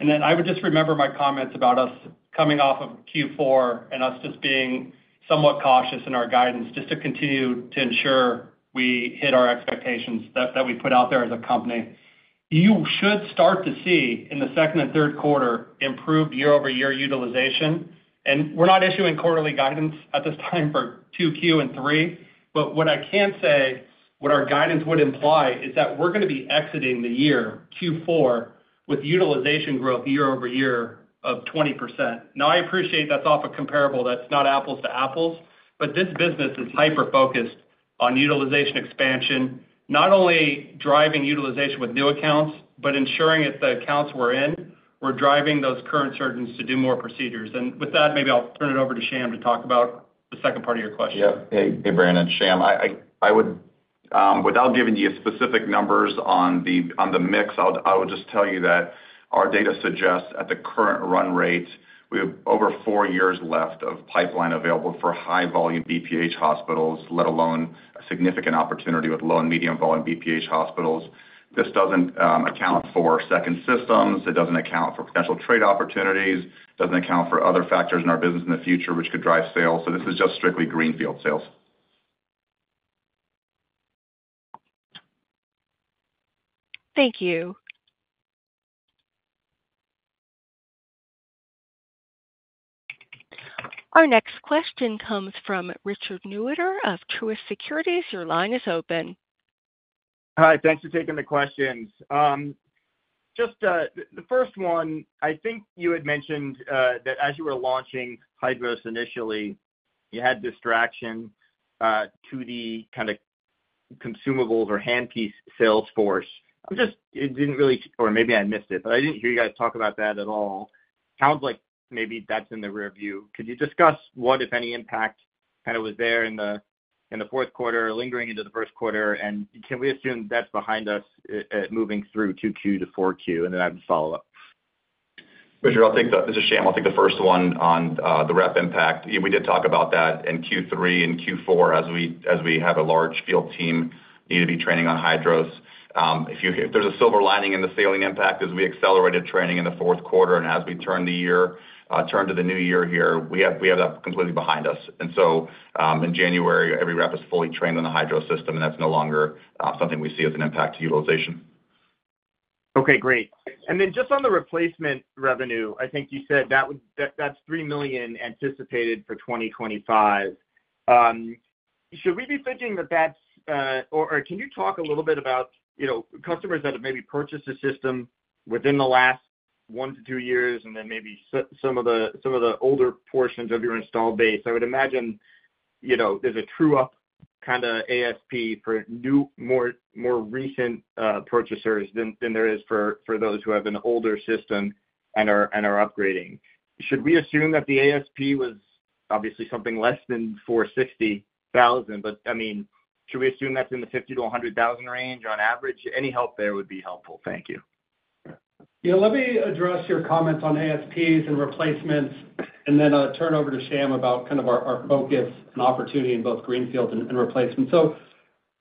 Speaker 5: And then I would just remember my comments about us coming off of Q4 and us just being somewhat cautious in our guidance just to continue to ensure we hit our expectations that we put out there as a company. You should start to see in the second and third quarter improved year-over-year utilization. We're not issuing quarterly guidance at this time for Q2 and Q3, but what I can say, what our guidance would imply is that we're going to be exiting the year, Q4, with utilization growth year-over-year of 20%. Now, I appreciate that's off a comparable that's not apples-to-apples, but this business is hyper-focused on utilization expansion, not only driving utilization with new accounts, but ensuring if the accounts we're in, we're driving those current surgeons to do more procedures. And with that, maybe I'll turn it over to Sham to talk about the second part of your question.
Speaker 4: Yeah. Hey, Brandon. Sham, without giving you specific numbers on the mix, I would just tell you that our data suggests at the current run rate, we have over four years left of pipeline available for high-volume BPH hospitals, let alone a significant opportunity with low and medium-volume BPH hospitals. This doesn't account for second systems. It doesn't account for potential trade opportunities. It doesn't account for other factors in our business in the future which could drive sales. So this is just strictly greenfield sales.
Speaker 1: Thank you. Our next question comes from Richard Newitter of Truist Securities. Your line is open.
Speaker 10: Hi. Thanks for taking the questions. Just the first one, I think you had mentioned that as you were launching HYDROS initially, you had distraction to the kind of consumables or handpiece sales force. It didn't really or maybe I missed it, but I didn't hear you guys talk about that at all. Sounds like maybe that's in the rearview. Could you discuss what, if any, impact kind of was there in the Q4 lingering into the Q1? And can we assume that's behind us moving through Q2 to Q4? And then I have a follow-up.
Speaker 4: Richard, this is Sham. I'll take the first one on the rep impact. We did talk about that in Q3 and Q4 as we have a large field team need to be training on HYDROS. If there's a silver lining in the saline impact is we accelerated training in the Q4. And as we turn the year to the new year here, we have that completely behind us. And so in January, every rep is fully trained on the HYDROS system, and that's no longer something we see as an impact to utilization.
Speaker 10: Okay. Great. And then just on the replacement revenue, I think you said that's $3 million anticipated for 2025. Should we be thinking that that's or can you talk a little bit about customers that have maybe purchased a system within the last one to two years and then maybe some of the older portions of your installed base? I would imagine there's a true-up kind of ASP for more recent purchasers than there is for those who have an older system and are upgrading. Should we assume that the ASP was obviously something less than $460,000? But I mean, should we assume that's in the $50,000 to 100,000 range on average? Any help there would be helpful. Thank you.
Speaker 5: Yeah. Let me address your comments on ASPs and replacements, and then I'll turn over to Sham about kind of our focus and opportunity in both greenfield and replacement. So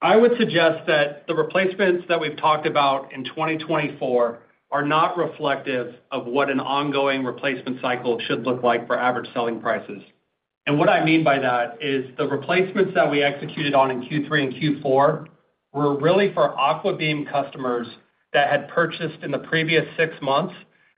Speaker 5: I would suggest that the replacements that we've talked about in 2024 are not reflective of what an ongoing replacement cycle should look like for average selling prices. And what I mean by that is the replacements that we executed on in Q3 and Q4 were really for AquaBeam customers that had purchased in the previous six months.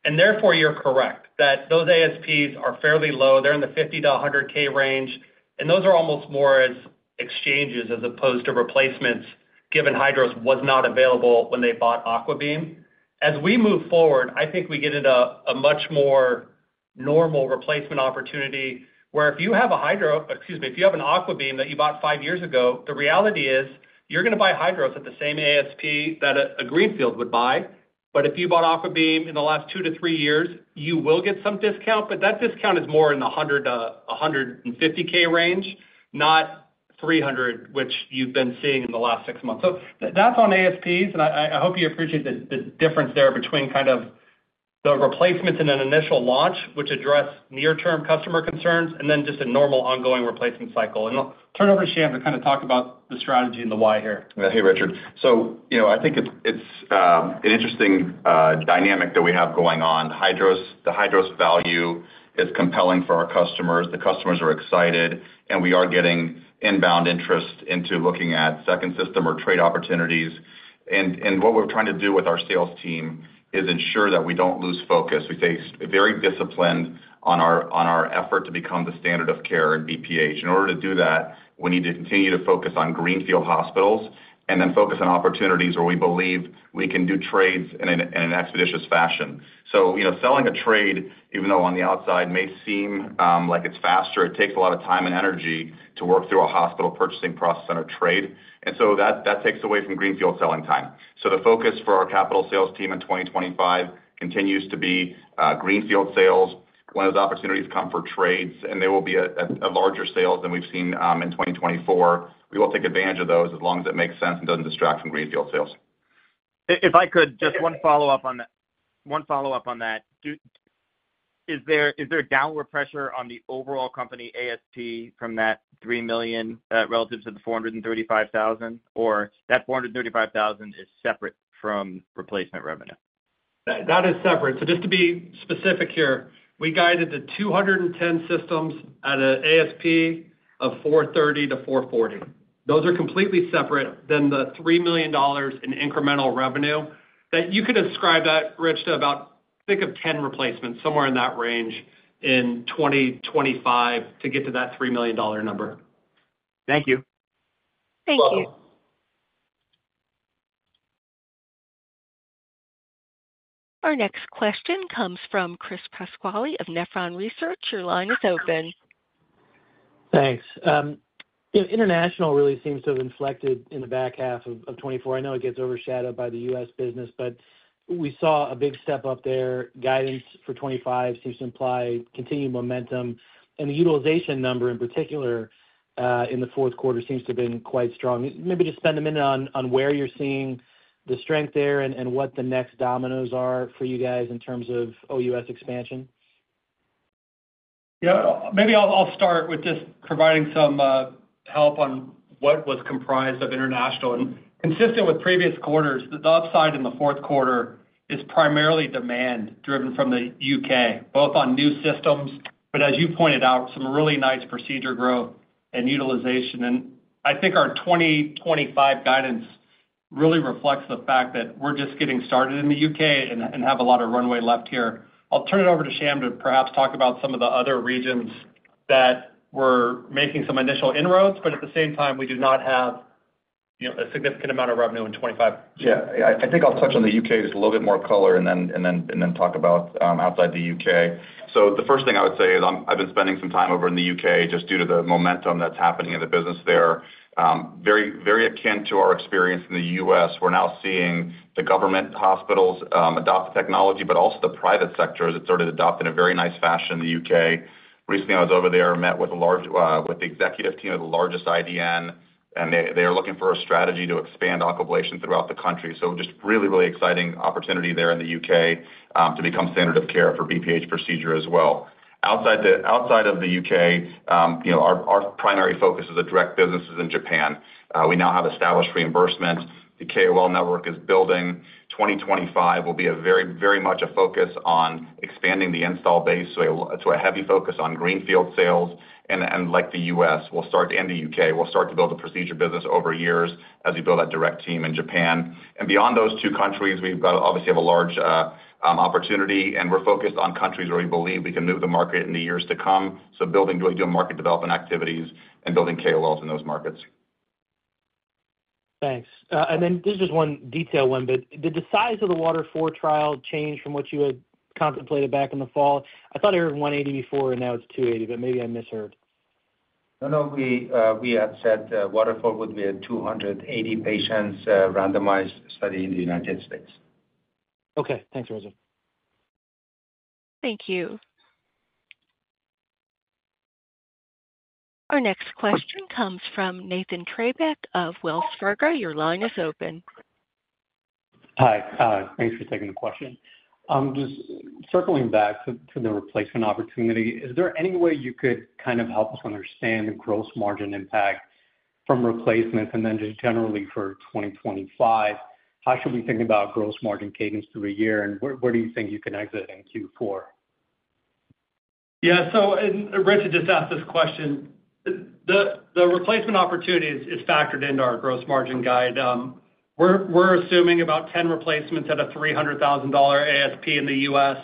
Speaker 5: And therefore, you're correct that those ASPs are fairly low. They're in the $50,000 to 100,000 range. And those are almost more as exchanges as opposed to replacements given HYDROS was not available when they bought AquaBeam. As we move forward, I think we get into a much more normal replacement opportunity where if you have a Hydro excuse me, if you have an AquaBeam that you bought five years ago, the reality is you're going to buy HYDROS at the same ASP that a greenfield would buy. But if you bought AquaBeam in the last two to three years, you will get some discount, but that discount is more in the $100K to 150K range, not $300K, which you've been seeing in the last six months. So that's on ASPs, and I hope you appreciate the difference there between kind of the replacements in an initial launch, which address near-term customer concerns, and then just a normal ongoing replacement cycle. And I'll turn over to Sham to kind of talk about the strategy and the why here.
Speaker 4: Hey, Richard. So I think it's an interesting dynamic that we have going on. The HYDROS value is compelling for our customers. The customers are excited, and we are getting inbound interest into looking at second system or trade opportunities. And what we're trying to do with our sales team is ensure that we don't lose focus. We stay very disciplined on our effort to become the standard of care in BPH. In order to do that, we need to continue to focus on greenfield hospitals and then focus on opportunities where we believe we can do trades in an expeditious fashion. So selling a trade, even though on the outside may seem like it's faster, it takes a lot of time and energy to work through a hospital purchasing process on a trade. And so that takes away from greenfield selling time. So the focus for our capital sales team in 2025 continues to be greenfield sales. When those opportunities come for trades, and they will be at larger sales than we've seen in 2024, we will take advantage of those as long as it makes sense and doesn't distract from greenfield sales.
Speaker 10: If I could, just one follow-up on that. One follow-up on that. Is there downward pressure on the overall company ASP from that $3 million relative to the $435,000, or that $435,000 is separate from replacement revenue?
Speaker 5: That is separate. So just to be specific here, we guided the 210 systems at an ASP of $430,000 to 440,000. Those are completely separate than the $3 million in incremental revenue. You could ascribe that, Rich, to about, think of 10 replacements, somewhere in that range in 2025 to get to that $3 million number.
Speaker 10: Thank you.
Speaker 1: Thank you. Our next question comes from Chris Pasquale of Nephron Research. Your line is open.
Speaker 11: Thanks. International really seems to have inflected in the back half of 2024. I know it gets overshadowed by the U.S. business, but we saw a big step up there. Guidance for 2025 seems to imply continued momentum. The utilization number in particular in the Q4 seems to have been quite strong. Maybe just spend a minute on where you're seeing the strength there and what the next dominoes are for you guys in terms of OUS expansion.
Speaker 5: Yeah. Maybe I'll start with just providing some help on what was comprised of international. Consistent with previous quarters, the upside in the Q4 is primarily demand driven from the U.K., both on new systems, but as you pointed out, some really nice procedure growth and utilization. I think our 2025 guidance really reflects the fact that we're just getting started in the U.K. and have a lot of runway left here. I'll turn it over to Sham to perhaps talk about some of the other regions that were making some initial inroads, but at the same time, we do not have a significant amount of revenue in 2025.
Speaker 4: Yeah. I think I'll touch on the U.K. just a little bit more color and then talk about outside the U.K. The first thing I would say is I've been spending some time over in the U.K. just due to the momentum that's happening in the business there. Very akin to our experience in the U.S., we're now seeing the government hospitals adopt the technology, but also the private sector has started to adopt in a very nice fashion in the U.K. Recently, I was over there and met with the executive team of the largest IDN, and they are looking for a strategy to expand Aquablation throughout the country. So just really, really exciting opportunity there in the U.K. to become standard of care for BPH procedure as well. Outside of the U.K., our primary focus is direct businesses in Japan. We now have established reimbursement. The KOL network is building. 2025 will be very much a focus on expanding the install base to a heavy focus on greenfield sales. And like the US, we'll start in the U.K. We'll start to build a procedure business over years as we build that direct team in Japan. And beyond those two countries, we obviously have a large opportunity, and we're focused on countries where we believe we can move the market in the years to come. So building really good market development activities and building KOLs in those markets.
Speaker 11: Thanks. And then this is just one detailed one, but did the size of the WATER IV trial change from what you had contemplated back in the fall? I thought it was 180 before, and now it's 280, but maybe I misheard.
Speaker 3: No, no. We had said WATER IV would be a 280-patient randomized study in the United States.
Speaker 11: Okay. Thanks, Reza.
Speaker 1: Thank you. Our next question comes from Nathan Treybeck of Wells Fargo. Your line is open.
Speaker 12: Hi. Thanks for taking the question. Just circling back to the replacement opportunity, is there any way you could kind of help us understand the gross margin impact from replacements and then just generally for 2025? How should we think about gross margin cadence through a year, and where do you think you can exit in Q4?
Speaker 5: Yeah. So Rich had just asked this question. The replacement opportunity is factored into our gross margin guide. We're assuming about 10 replacements at a $300,000 ASP in the U.S.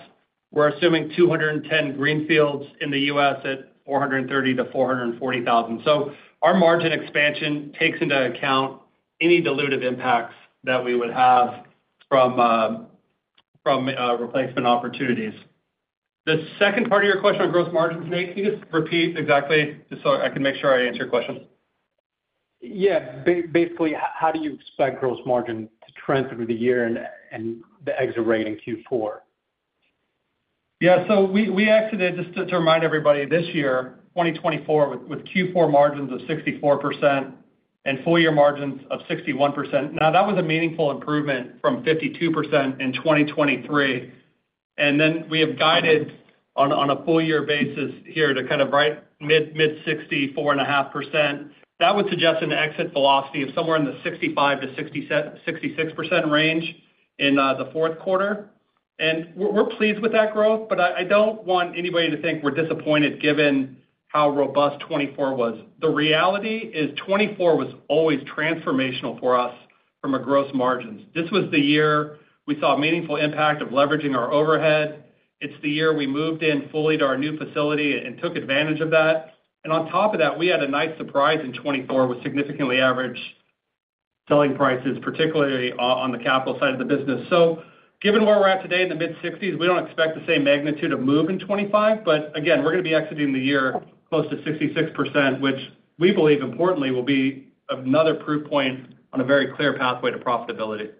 Speaker 5: We're assuming 210 greenfields in the U.S. at $430,000 to 440,000. So our margin expansion takes into account any dilutive impacts that we would have from replacement opportunities. The second part of your question on gross margins, can you just repeat exactly just so I can make sure I answer your question?
Speaker 12: Yeah. Basically, how do you expect gross margin to trend through the year and the exit rate in Q4?
Speaker 5: Yeah. So we exited, just to remind everybody, this year, 2024, with Q4 margins of 64% and full-year margins of 61%. Now, that was a meaningful improvement from 52% in 2023. And then we have guided on a full-year basis here to kind of right mid-60s, 64.5%. That would suggest an exit velocity of somewhere in the 65%-66% range in the Q4. We're pleased with that growth, but I don't want anybody to think we're disappointed given how robust 2024 was. The reality is 2024 was always transformational for us from a gross margins. This was the year we saw a meaningful impact of leveraging our overhead. It's the year we moved in fully to our new facility and took advantage of that. On top of that, we had a nice surprise in 2024 with significantly average selling prices, particularly on the capital side of the business. Given where we're at today in the mid-60s, we don't expect the same magnitude of move in 2025. But again, we're going to be exiting the year close to 66%, which we believe, importantly, will be another proof point on a very clear pathway to profitability.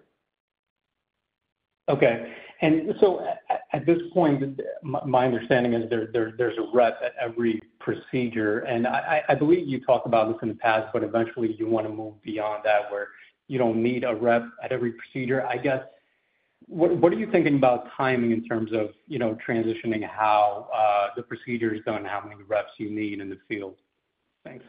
Speaker 12: Okay. And so at this point, my understanding is there's a rep at every procedure. And I believe you talked about this in the past, but eventually, you want to move beyond that where you don't need a rep at every procedure. I guess, what are you thinking about timing in terms of transitioning how the procedure is done and how many reps you need in the field? Thanks.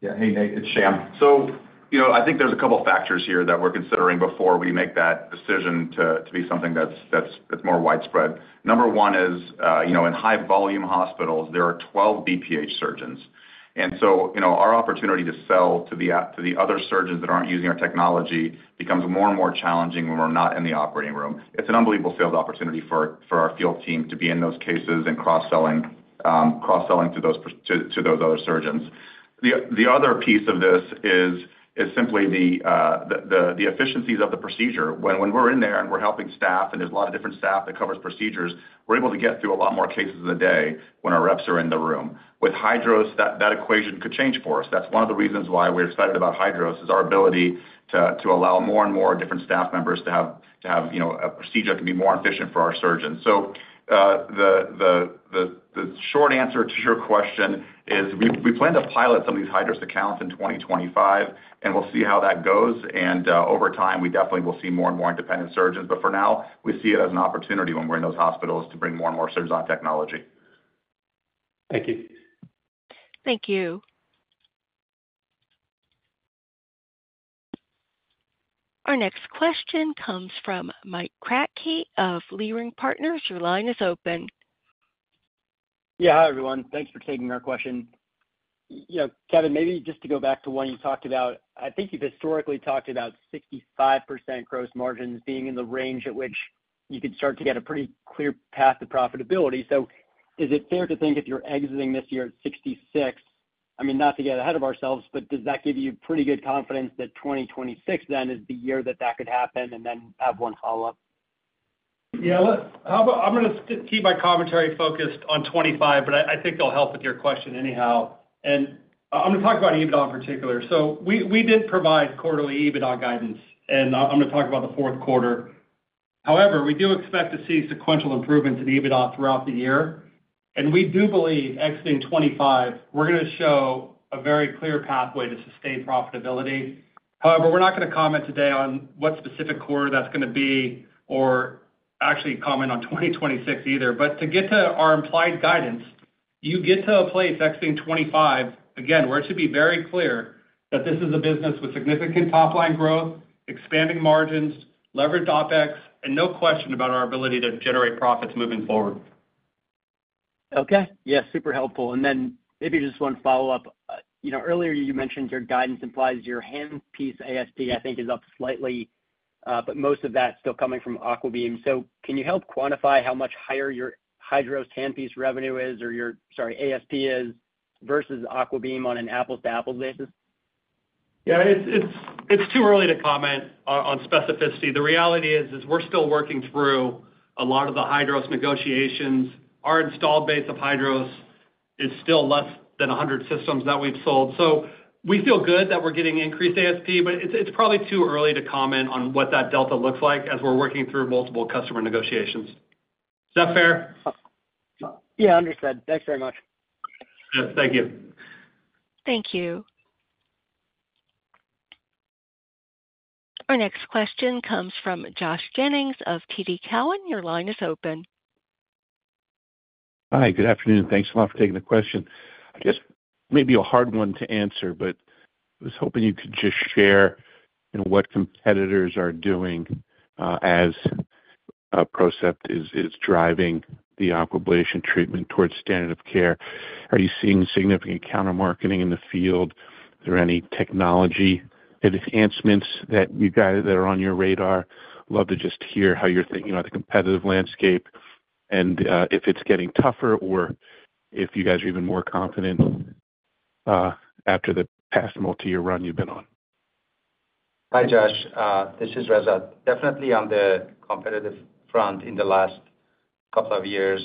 Speaker 4: Yeah. Hey, Nate, it's Sham. So I think there's a couple of factors here that we're considering before we make that decision to be something that's more widespread. Number one is, in high-volume hospitals, there are 12 BPH surgeons. And so our opportunity to sell to the other surgeons that aren't using our technology becomes more and more challenging when we're not in the operating room. It's an unbelievable sales opportunity for our field team to be in those cases and cross-selling to those other surgeons. The other piece of this is simply the efficiencies of the procedure. When we're in there and we're helping staff, and there's a lot of different staff that covers procedures, we're able to get through a lot more cases in a day when our reps are in the room. With HYDROS, that equation could change for us. That's one of the reasons why we're excited about HYDROS is our ability to allow more and more different staff members to have a procedure that can be more efficient for our surgeons. So the short answer to your question is we plan to pilot some of these HYDROS accounts in 2025, and we'll see how that goes. And over time, we definitely will see more and more independent surgeons. But for now, we see it as an opportunity when we're in those hospitals to bring more and more surgeons on technology.
Speaker 12: Thank you.
Speaker 1: Thank you. Our next question comes from Mike Kratky of Leerink Partners. Your line is open.
Speaker 13: Yeah. Hi, everyone. Thanks for taking our question. Kevin, maybe just to go back to what you talked about, I think you've historically talked about 65% gross margins being in the range at which you could start to get a pretty clear path to profitability. So is it fair to think if you're exiting this year at 66%? I mean, not to get ahead of ourselves, but does that give you pretty good confidence that 2026 then is the year that that could happen and then have one follow-up?
Speaker 5: Yeah. I'm going to keep my commentary focused on 2025, but I think it'll help with your question anyhow. And I'm going to talk about EBITDA in particular. So we did provide quarterly EBITDA guidance, and I'm going to talk about the Q4. However, we do expect to see sequential improvements in EBITDA throughout the year. And we do believe exiting 2025, we're going to show a very clear pathway to sustained profitability. However, we're not going to comment today on what specific quarter that's going to be or actually comment on 2026 either. But to get to our implied guidance, you get to a place exiting 2025, again, where it should be very clear that this is a business with significant top-line growth, expanding margins, leveraged OpEx, and no question about our ability to generate profits moving forward.
Speaker 13: Okay. Yeah. Super helpful. And then maybe just one follow-up. Earlier, you mentioned your guidance implies your handpiece ASP, I think, is up slightly, but most of that's still coming from AquaBeam. So can you help quantify how much higher your HYDROS handpiece revenue is or your, sorry, ASP is versus AquaBeam on an apples-to-apples basis?
Speaker 5: Yeah. It's too early to comment on specificity. The reality is we're still working through a lot of the HYDROS negotiations. Our installed base of HYDROS is still less than 100 systems that we've sold. So we feel good that we're getting increased ASP, but it's probably too early to comment on what that delta looks like as we're working through multiple customer negotiations. Is that fair?
Speaker 13: Yeah. Understood. Thanks very much.
Speaker 5: Yes. Thank you.
Speaker 1: Thank you. Our next question comes from Josh Jennings of TD Cowen. Your line is open.
Speaker 14: Hi. Good afternoon. Thanks a lot for taking the question. Just maybe a hard one to answer, but I was hoping you could just share what competitors are doing as PROCEPT is driving the Aquablation treatment towards standard of care. Are you seeing significant countermarketing in the field? Are there any technology advancements that you guys are on your radar? Love to just hear how you're thinking about the competitive landscape and if it's getting tougher or if you guys are even more confident after the past multi-year run you've been on.
Speaker 3: Hi, Josh. This is Reza. Definitely on the competitive front in the last couple of years,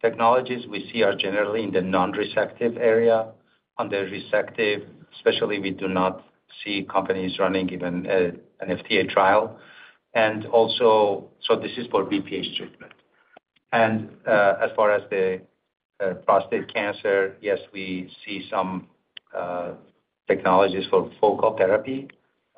Speaker 3: technologies we see are generally in the non-resective area. On the resective, especially, we do not see companies running even an IDE trial, and also so this is for BPH treatment, and as far as the prostate cancer, yes, we see some technologies for focal therapy,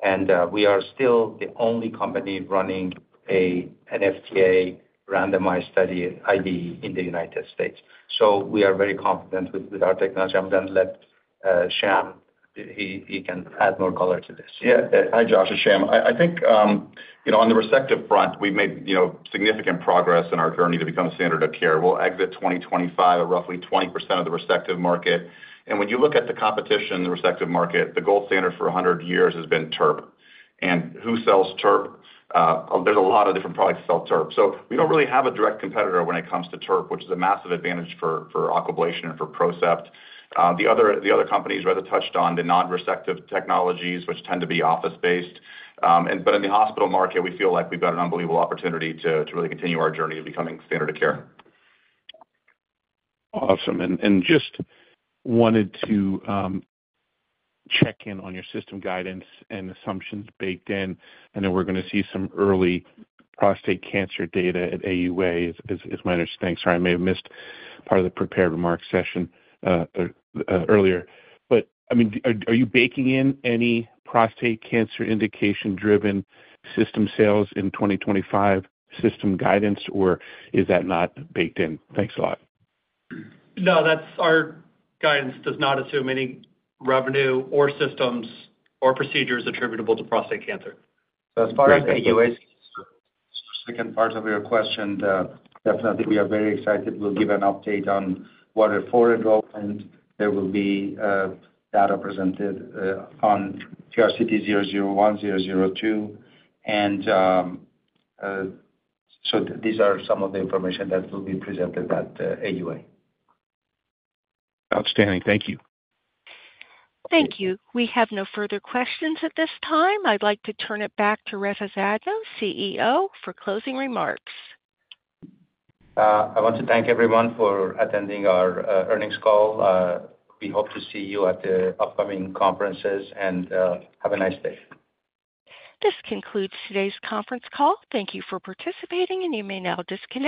Speaker 3: and we are still the only company running an IDE randomized study IDE in the United States, so we are very confident with our technology. I'm going to let Sham. He can add more color to this.
Speaker 4: Yeah. Hi, Josh and Sham. I think on the resective front, we've made significant progress in our journey to become a standard of care. We'll exit 2025 at roughly 20% of the resective market. And when you look at the competition, the resective market, the gold standard for 100 years has been TURP. And who sells TURP? There's a lot of different products that sell TURP. So we don't really have a direct competitor when it comes to TURP, which is a massive advantage for Aquablation and for PROCEPT. The other companies Reza touched on, the non-resective technologies, which tend to be office-based. But in the hospital market, we feel like we've got an unbelievable opportunity to really continue our journey to becoming standard of care.
Speaker 14: Awesome. And just wanted to check in on your system guidance and assumptions baked in. I know we're going to see some early prostate cancer data at AUA, is my understanding. Sorry, I may have missed part of the prepared remark session earlier. But I mean, are you baking in any prostate cancer indication-driven system sales in 2025 system guidance, or is that not baked in? Thanks a lot.
Speaker 5: No, our guidance does not assume any revenue or systems or procedures attributable to prostate cancer, so as far as AUA's.
Speaker 3: Second part of your question, definitely, we are very excited. We'll give an update on WATER IV and there will be data presented on PRCT001, PRCT002, and so these are some of the information that will be presented at AUA.
Speaker 14: Outstanding. Thank you.
Speaker 1: Thank you. We have no further questions at this time. I'd like to turn it back to Reza Zadno, CEO, for closing remarks.
Speaker 3: I want to thank everyone for attending our earnings call. We hope to see you at the upcoming conferences and have a nice day.
Speaker 1: This concludes today's conference call. Thank you for participating, and you may now disconnect.